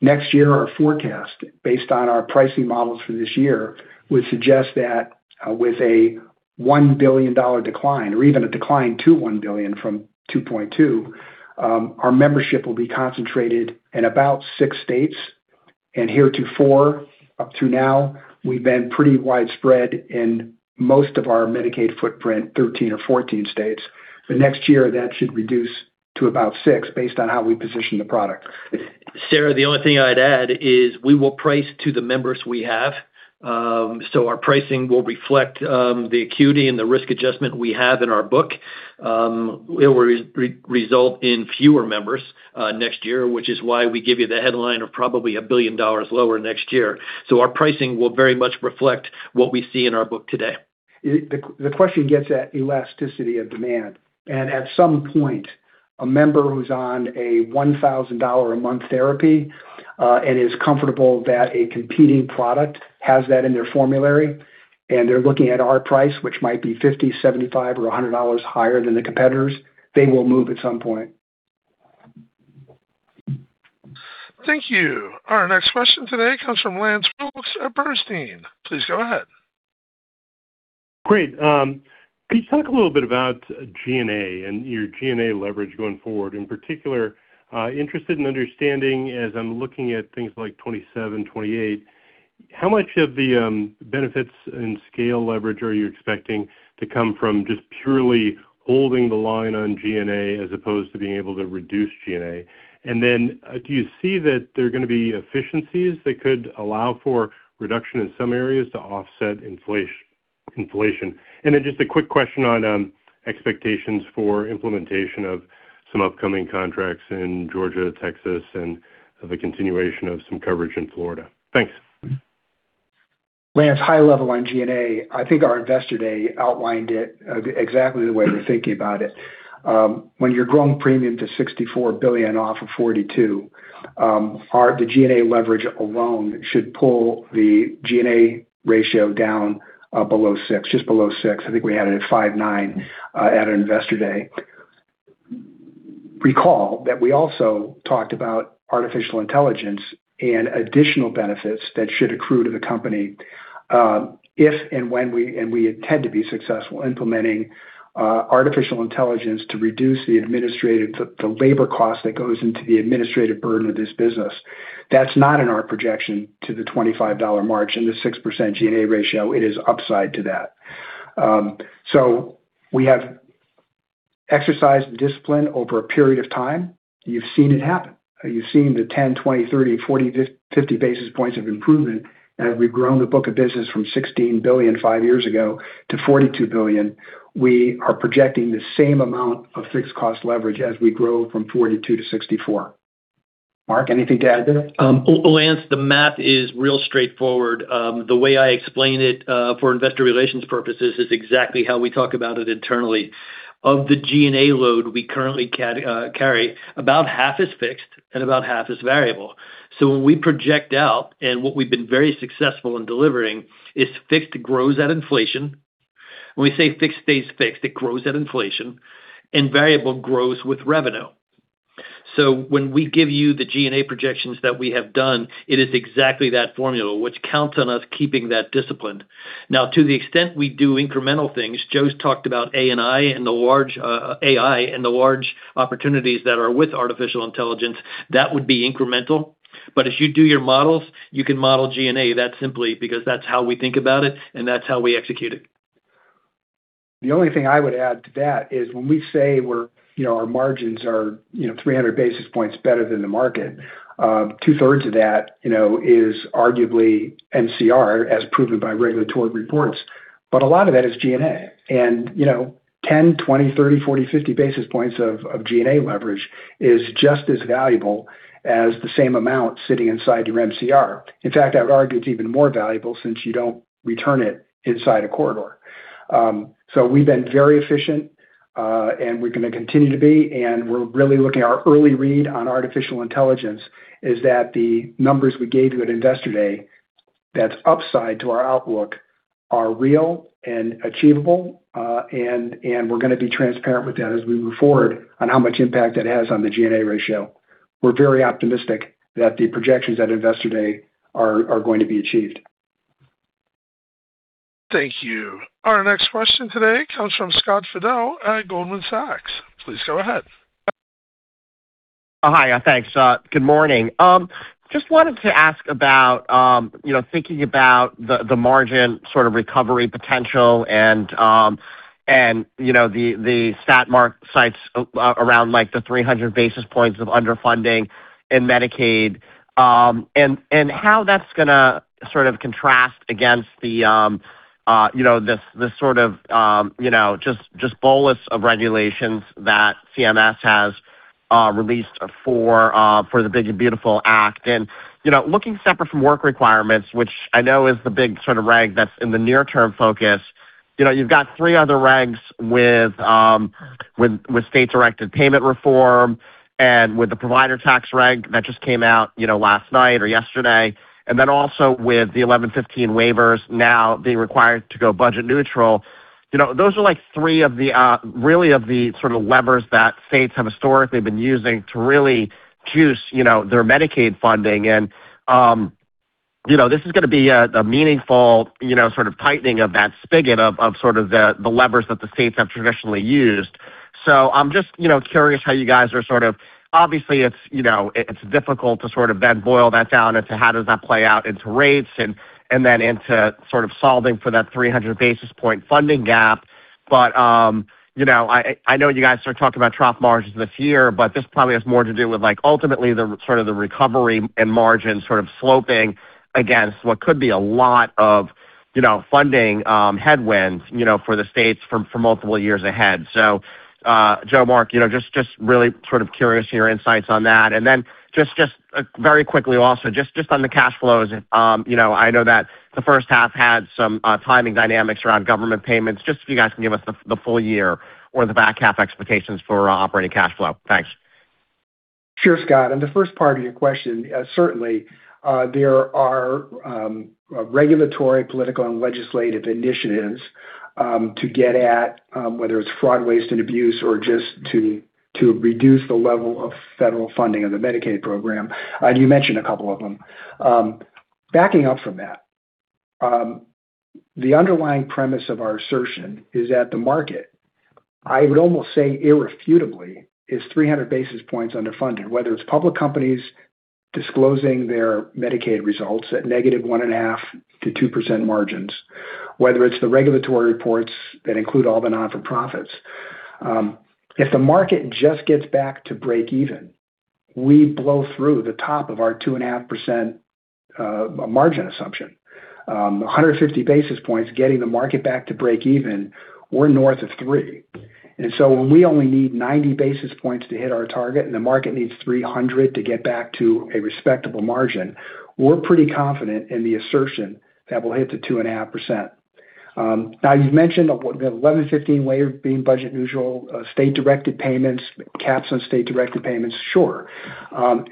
Next year, our forecast, based on our pricing models for this year, would suggest that with a $1 billion decline or even a decline to $1 billion from $2.2 billion, our membership will be concentrated in about six states and heretofore, up to now, we've been pretty widespread in most of our Medicaid footprint, 13 or 14 states. Next year, that should reduce to about six based on how we position the product. Sarah, the only thing I'd add is we will price to the members we have. Our pricing will reflect the acuity and the risk adjustment we have in our book. It will result in fewer members next year, which is why we give you the headline of probably $1 billion lower next year. Our pricing will very much reflect what we see in our book today. The question gets at elasticity of demand. At some point, a member who's on a $1,000 a month therapy and is comfortable that a competing product has that in their formulary, and they're looking at our price, which might be $50, $75, or $100 higher than the competitors, they will move at some point. Thank you. Our next question today comes from Lance Wilkes at Bernstein. Please go ahead. Great. Could you talk a little bit about G&A and your G&A leverage going forward? In particular, interested in understanding as I'm looking at things like 2027, 2028, how much of the benefits in scale leverage are you expecting to come from just purely holding the line on G&A as opposed to being able to reduce G&A? Do you see that there are going to be efficiencies that could allow for reduction in some areas to offset inflation? Just a quick question on expectations for implementation of some upcoming contracts in Georgia, Texas, and the continuation of some coverage in Florida. Thanks. Lance, high level on G&A, I think our Investor Day outlined it exactly the way we're thinking about it. When you're growing premium to $64 billion off of $42 billion, the G&A leverage alone should pull the G&A ratio down below 6%, just below 6%. I think we had it at 5.9% at our Investor Day. Recall that we also talked about artificial intelligence and additional benefits that should accrue to the company, if and when we, and we intend to be successful implementing artificial intelligence to reduce the labor cost that goes into the administrative burden of this business. That's not in our projection to the $25 margin, the 6% G&A ratio, it is upside to that. We have exercised discipline over a period of time. You've seen it happen. You've seen the 10, 20, 30, 40, 50 basis points of improvement as we've grown the book of business from $16 billion five years ago to $42 billion. We are projecting the same amount of fixed cost leverage as we grow from $42 billion to $64 billion. Mark, anything to add there? Lance, the math is real straightforward. The way I explain it for investor relations purposes is exactly how we talk about it internally. Of the G&A load we currently carry, about half is fixed and about half is variable. When we project out, and what we've been very successful in delivering, is fixed grows at inflation. When we say fixed stays fixed, it grows at inflation, and variable grows with revenue. When we give you the G&A projections that we have done, it is exactly that formula, which counts on us keeping that disciplined. To the extent we do incremental things, Joe's talked about AI and the large opportunities that are with artificial intelligence, that would be incremental. As you do your models, you can model G&A. That's simply because that's how we think about it, and that's how we execute it. The only thing I would add to that is when we say our margins are 300 basis points better than the market, two-thirds of that is arguably MCR, as proven by regulatory reports, but a lot of that is G&A. 10, 20, 30, 40, 50 basis points of G&A leverage is just as valuable as the same amount sitting inside your MCR. In fact, I would argue it's even more valuable since you don't return it inside a corridor. We've been very efficient, and we're going to continue to be, and we're really looking at our early read on artificial intelligence is that the numbers we gave you at Investor Day, that's upside to our outlook, are real and achievable, and we're going to be transparent with that as we move forward on how much impact it has on the G&A ratio. We're very optimistic that the projections at Investor Day are going to be achieved. Thank you. Our next question today comes from Scott Fidel at Goldman Sachs. Please go ahead. Hi. Thanks. Good morning. Just wanted to ask about thinking about the margin sort of recovery potential and the stat mark sites around the 300 basis points of underfunding. In Medicaid, how that's going to sort of contrast against this sort of just bolus of regulations that CMS has released for the Big and Beautiful Act. Looking separate from work requirements, which I know is the big sort of reg that's in the near term focus, you've got three other regs with state-directed payment reform and with the provider tax reg that just came out last night or yesterday, and then also with the 1115 waivers now being required to go budget neutral. Those are three of the sort of levers that states have historically been using to really juice their Medicaid funding. This is going to be a meaningful sort of tightening of that spigot of sort of the levers that the states have traditionally used. I'm just curious how you guys are. Obviously it's difficult to sort of then boil that down into how does that play out into rates and then into sort of solving for that 300 basis point funding gap. I know you guys sort of talked about trough margins this year, but this probably has more to do with ultimately the sort of the recovery and margin sort of sloping against what could be a lot of funding headwinds for the states for multiple years ahead. Joe, Mark, just really sort of curious your insights on that. Then just very quickly also, just on the cash flows. I know that the first half had some timing dynamics around government payments. Just if you guys can give us the full year or the back half expectations for operating cash flow. Thanks. Sure, Scott. On the first part of your question, certainly, there are regulatory, political, and legislative initiatives to get at whether it's fraud, waste, and abuse or just to reduce the level of federal funding of the Medicaid program. You mentioned a couple of them. Backing up from that, the underlying premise of our assertion is that the market, I would almost say irrefutably, is 300 basis points underfunded, whether it's public companies disclosing their Medicaid results at negative one and a half to 2% margins, whether it's the regulatory reports that include all the not-for-profits. If the market just gets back to break even, we blow through the top of our 2.5% margin assumption. 150 basis points getting the market back to break even, we're north of three. When we only need 90 basis points to hit our target and the market needs 300 to get back to a respectable margin, we're pretty confident in the assertion that we'll hit the 2.5%. Now, you've mentioned the 1115 waiver being budget neutral, state-directed payments, caps on state-directed payments. Sure.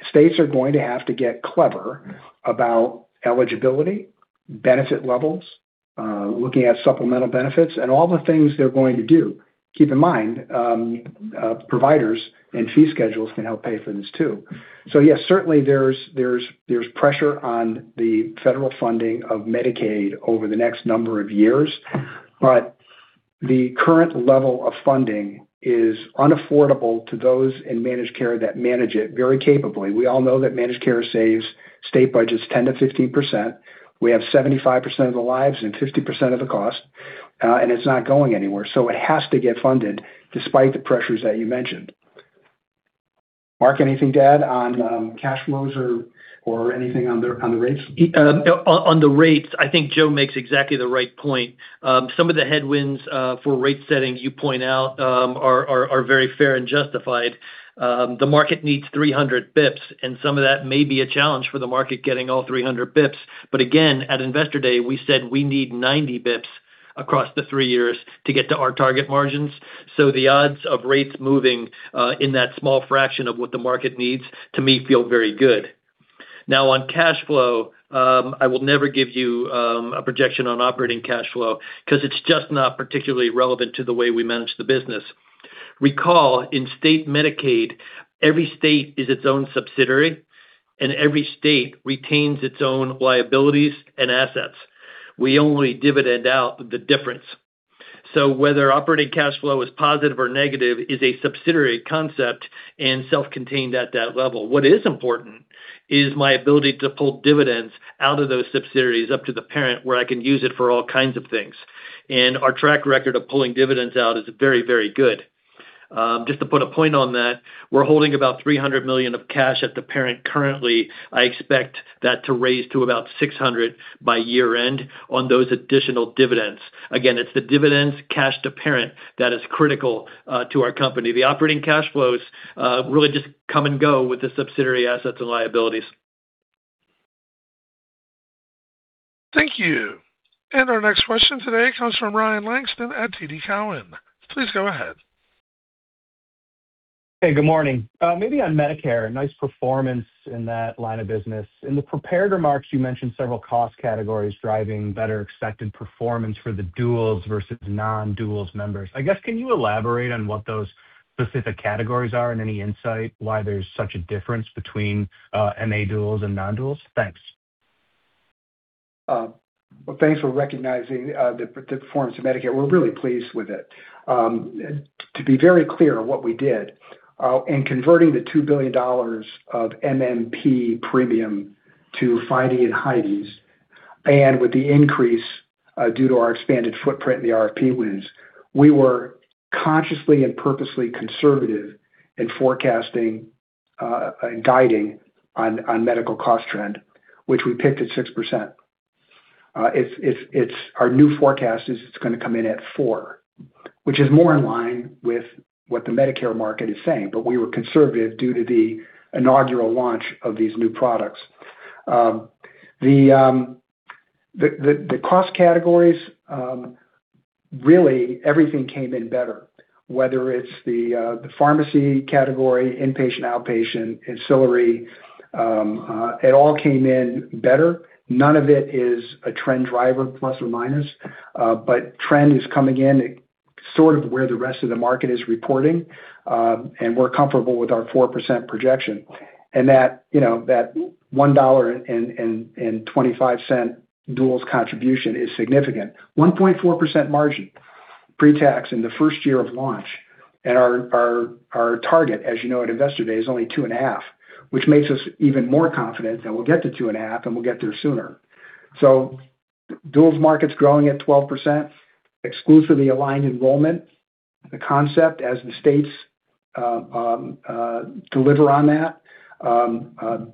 States are going to have to get clever about eligibility, benefit levels, looking at supplemental benefits, and all the things they're going to do. Keep in mind, providers and fee schedules can help pay for this, too. Yes, certainly there's pressure on the federal funding of Medicaid over the next number of years. The current level of funding is unaffordable to those in managed care that manage it very capably. We all know that managed care saves state budgets 10%-15%. We have 75% of the lives and 50% of the cost, it's not going anywhere. It has to get funded despite the pressures that you mentioned. Mark, anything to add on cash flows or anything on the rates? On the rates, I think Joe Zubretsky makes exactly the right point. Some of the headwinds for rate setting you point out are very fair and justified. The market needs 300 basis points, and some of that may be a challenge for the market getting all 300 basis points. Again, at Investor Day, we said we need 90 basis points across the three years to get to our target margins. The odds of rates moving in that small fraction of what the market needs, to me, feel very good. On cash flow, I will never give you a projection on operating cash flow because it's just not particularly relevant to the way we manage the business. Recall, in state Medicaid, every state is its own subsidiary, and every state retains its own liabilities and assets. We only dividend out the difference. Whether operating cash flow is positive or negative is a subsidiary concept and self-contained at that level. What is important is my ability to pull dividends out of those subsidiaries up to the parent, where I can use it for all kinds of things. Our track record of pulling dividends out is very, very good. Just to put a point on that, we're holding about $300 million of cash at the parent currently. I expect that to raise to about $600 by year-end on those additional dividends. Again, it's the dividends cashed to parent that is critical to our company. The operating cash flows really just come and go with the subsidiary assets and liabilities. Thank you. Our next question today comes from Ryan Langston at TD Cowen. Please go ahead. Hey, good morning. Maybe on Medicare, nice performance in that line of business. In the prepared remarks, you mentioned several cost categories driving better expected performance for the duals versus non-duals members. Can you elaborate on what those specific categories are and any insight why there's such a difference between MA duals and non-duals? Thanks. Thanks for recognizing the performance of Medicare. We are really pleased with it. To be very clear on what we did, in converting the $2 billion of MMP premium to FIDE and HIDE. With the increase due to our expanded footprint in the RFP wins, we were consciously and purposely conservative in forecasting and guiding on medical cost trend, which we picked at 6%. Our new forecast is it is going to come in at 4%, which is more in line with what the Medicare market is saying. We were conservative due to the inaugural launch of these new products. The cost categories, really everything came in better, whether it is the pharmacy category, inpatient, outpatient, ancillary, it all came in better. None of it is a trend driver, plus or minus, trend is coming in sort of where the rest of the market is reporting. We are comfortable with our 4% projection and that $1.25 duals contribution is significant. 1.4% margin pre-tax in the first year of launch. Our target, as you know, at Investor Day, is only 2.5%, which makes us even more confident that we will get to 2.5%, and we will get there sooner. Duals market is growing at 12%, exclusively aligned enrollment. The concept, as the states deliver on that,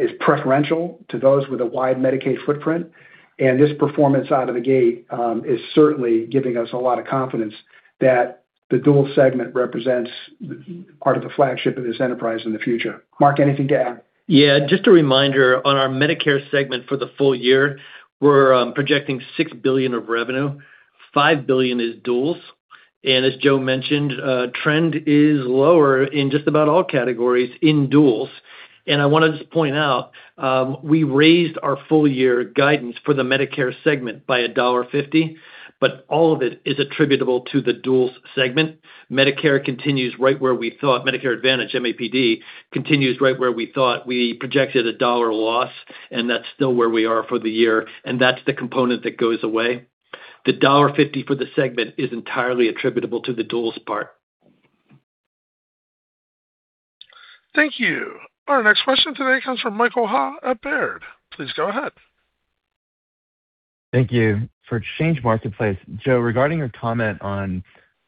is preferential to those with a wide Medicaid footprint, and this performance out of the gate is certainly giving us a lot of confidence that the duals segment represents part of the flagship of this enterprise in the future. Mark, anything to add? Just a reminder, on our Medicare segment for the full year, we are projecting $6 billion of revenue, $5 billion is duals. As Joe mentioned, trend is lower in just about all categories in duals. I want to just point out, we raised our full year guidance for the Medicare segment by $1.50, but all of it is attributable to the duals segment. Medicare continues right where we thought. Medicare Advantage MAPD continues right where we thought. We projected a dollar loss, and that is still where we are for the year, and that is the component that goes away. The $1.50 for the segment is entirely attributable to the duals part. Thank you. Our next question today comes from Michael Ha at Baird. Please go ahead. Thank you. For Marketplace, Joe, regarding your comment on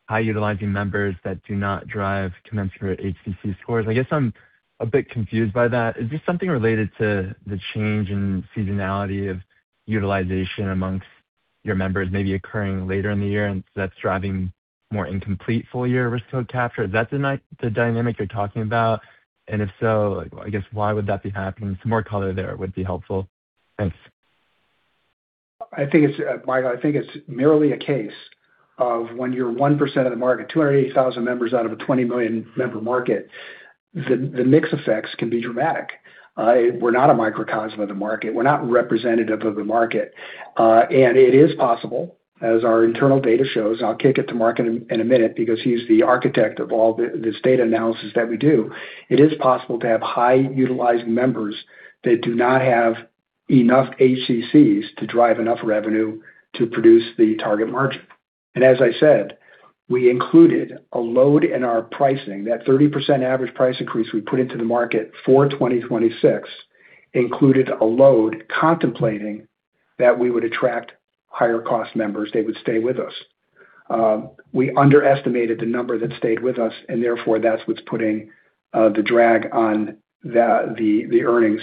high utilizing members that do not drive commensurate HCC scores, I guess I'm a bit confused by that. Is this something related to the change in seasonality of utilization amongst your members maybe occurring later in the year, so that's driving more incomplete full year risk code capture? Is that the dynamic you're talking about? If so, I guess why would that be happening? Some more color there would be helpful. Thanks. Michael, I think it's merely a case of when you're 1% of the market, 280,000 members out of a 20 million member market, the mix effects can be dramatic. We're not a microcosm of the market. We're not representative of the market. It is possible, as our internal data shows, I'll kick it to Mark in a minute because he's the architect of all this data analysis that we do. It is possible to have high utilizing members that do not have enough HCCs to drive enough revenue to produce the target margin. As I said, we included a load in our pricing. That 30% average price increase we put into the market for 2026 included a load contemplating that we would attract higher cost members, they would stay with us. We underestimated the number that stayed with us, therefore that's what's putting the drag on the earnings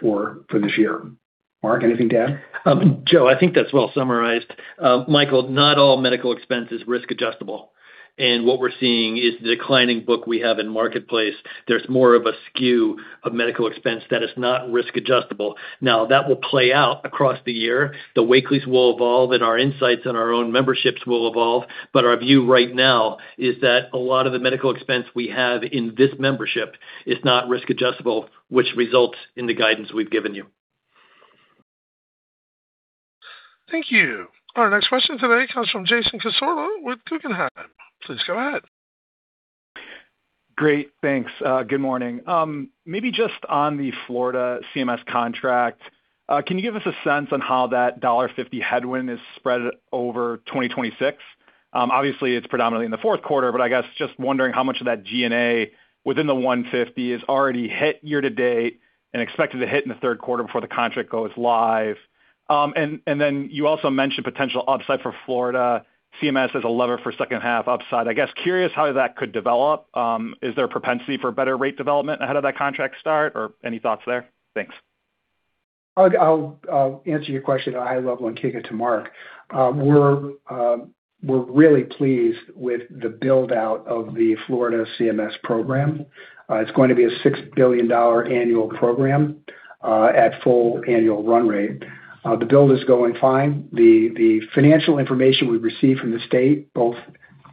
for this year. Mark, anything to add? Joe, I think that's well summarized. Michael, not all medical expense is risk adjustable, what we're seeing is the declining book we have in Marketplace, there's more of a skew of medical expense that is not risk adjustable. That will play out across the year. The weeklies will evolve, our insights and our own memberships will evolve. Our view right now is that a lot of the medical expense we have in this membership is not risk adjustable, which results in the guidance we've given you. Thank you. Our next question today comes from Jason Cassorla with Guggenheim. Please go ahead. Great, thanks. Good morning. Maybe just on the Florida CMS contract, can you give us a sense on how that $1.50 headwind is spread over 2026? Obviously, it's predominantly in the Q4, but I guess just wondering how much of that G&A within the $1.50 is already hit year to date and expected to hit in the third quarter before the contract goes live. You also mentioned potential upside for Florida CMS as a lever for second half upside. I guess, curious how that could develop. Is there a propensity for better rate development ahead of that contract start or any thoughts there? Thanks. I'll answer your question at a high level and kick it to Mark. We're really pleased with the build-out of the Florida CMS program. It's going to be a $6 billion annual program at full annual run rate. The build is going fine. The financial information we've received from the state, both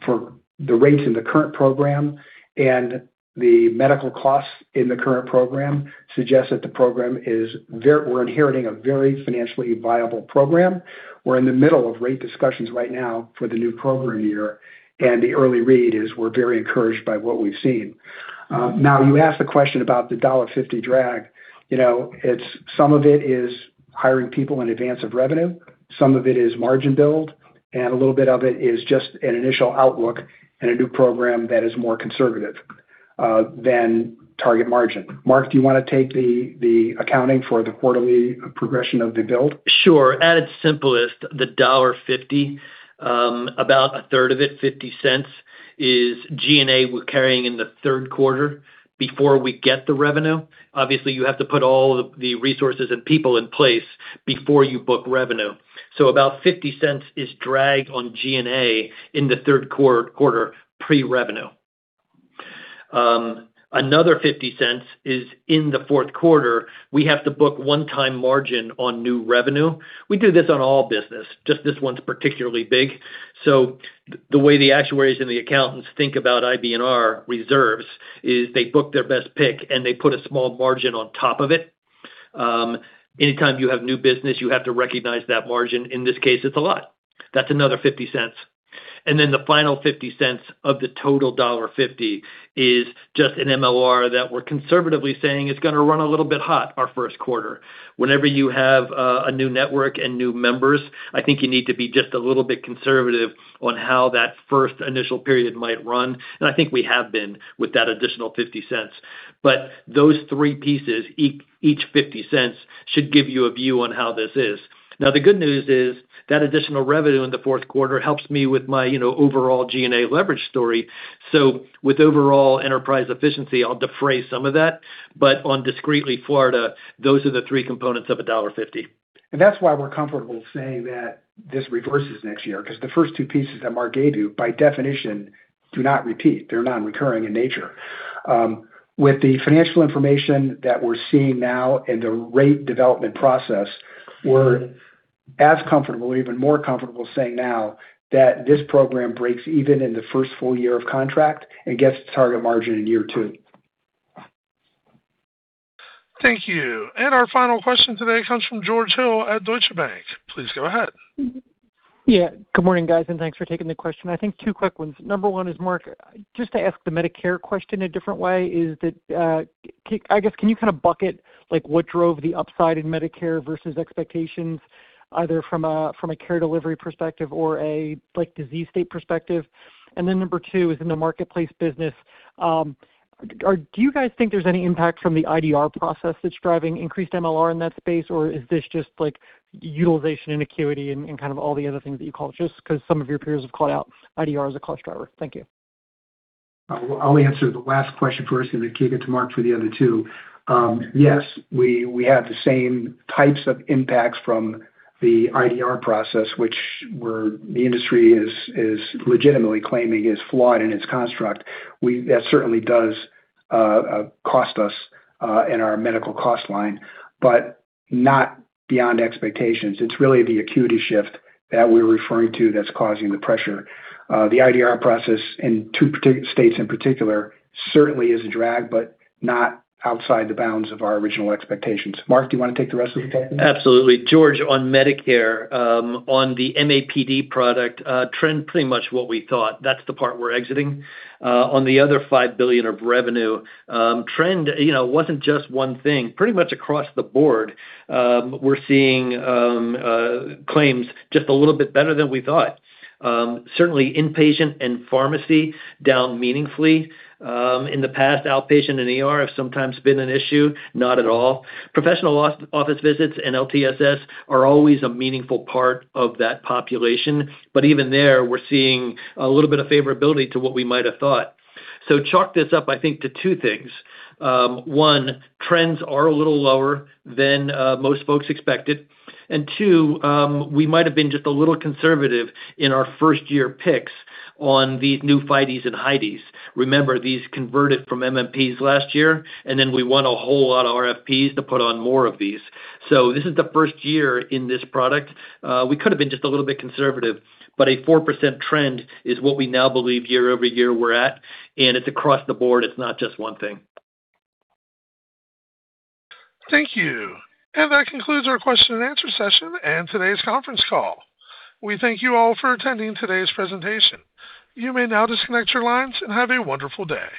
for the rates in the current program and the medical costs in the current program, suggests that the program is we're inheriting a very financially viable program. We're in the middle of rate discussions right now for the new program year, and the early read is we're very encouraged by what we've seen. You asked the question about the $1.50 drag. Some of it is hiring people in advance of revenue, some of it is margin build, and a little bit of it is just an initial outlook in a new program that is more conservative than target margin. Mark, do you want to take the accounting for the quarterly progression of the build? Sure. At its simplest, the $1.50, about a 1/3 of it, $0.50, is G&A we're carrying in the Q3 before we get the revenue. Obviously, you have to put all of the resources and people in place before you book revenue. About $0.50 is dragged on G&A in the Q3 pre-revenue. Another $0.50 is in the Q4. We have to book one-time margin on new revenue. We do this on all business, just this one's particularly big. The way the actuaries and the accountants think about IBNR reserves is they book their best pick, and they put a small margin on top of it. Anytime you have new business, you have to recognize that margin. In this case, it's a lot. That's another $0.50. The final $0.50 of the total $1.50 is just an MLR that we're conservatively saying is going to run a little bit hot our Q1. Whenever you have a new network and new members, I think you need to be just a little bit conservative on how that first initial period might run. I think we have been with that additional $0.50. Those three pieces, each $0.50, should give you a view on how this is. The good news is that additional revenue in the Q4 helps me with my overall G&A leverage story. With overall enterprise efficiency, I'll defray some of that. On discretely Florida, those are the three components of $1.50. That's why we're comfortable saying that this reverses next year, because the first two pieces that Mark gave you, by definition, do not repeat. They're non-recurring in nature. With the financial information that we're seeing now and the rate development process, we're as comfortable or even more comfortable saying now that this program breaks even in the first full year of contract and gets to target margin in year two. Thank you. Our final question today comes from George Hill at Deutsche Bank. Please go ahead. Good morning, guys, and thanks for taking the question. I think two quick ones. Number one is, Mark, just to ask the Medicare question a different way, I guess, can you kind of bucket what drove the upside in Medicare versus expectations, either from a care delivery perspective or a disease state perspective? Number two is in the Marketplace business, do you guys think there's any impact from the IDR process that's driving increased MLR in that space? Or is this just utilization and acuity and kind of all the other things that you call it, just because some of your peers have called out IDR as a cost driver. Thank you. I'll answer the last question first, and then kick it to Mark for the other two. Yes, we have the same types of impacts from the IDR process, which the industry is legitimately claiming is flawed in its construct. That certainly does cost us in our medical cost line, but not beyond expectations. It's really the acuity shift that we're referring to that's causing the pressure. The IDR process in two states in particular certainly is a drag, but not outside the bounds of our original expectations. Mark, do you want to take the rest of the question? Absolutely. George, on Medicare, on the MAPD product, trend pretty much what we thought. That's the part we're exiting. On the other $5 billion of revenue, trend wasn't just one thing. Pretty much across the board, we're seeing claims just a little bit better than we thought. Certainly, inpatient and pharmacy down meaningfully. In the past, outpatient and ER have sometimes been an issue. Not at all. Professional office visits and LTSS are always a meaningful part of that population. Even there, we're seeing a little bit of favorability to what we might have thought. Chalk this up, I think, to two things. One, trends are a little lower than most folks expected. Two, we might have been just a little conservative in our first-year picks on these new FIDEs and HIDEs. Remember, these converted from MMPs last year, and then we won a whole lot of RFPs to put on more of these. This is the first year in this product. We could have been just a little bit conservative, but a 4% trend is what we now believe year-over-year we're at, and it's across the board. It's not just one thing. Thank you. That concludes our question and answer session and today's conference call. We thank you all for attending today's presentation. You may now disconnect your lines and have a wonderful day.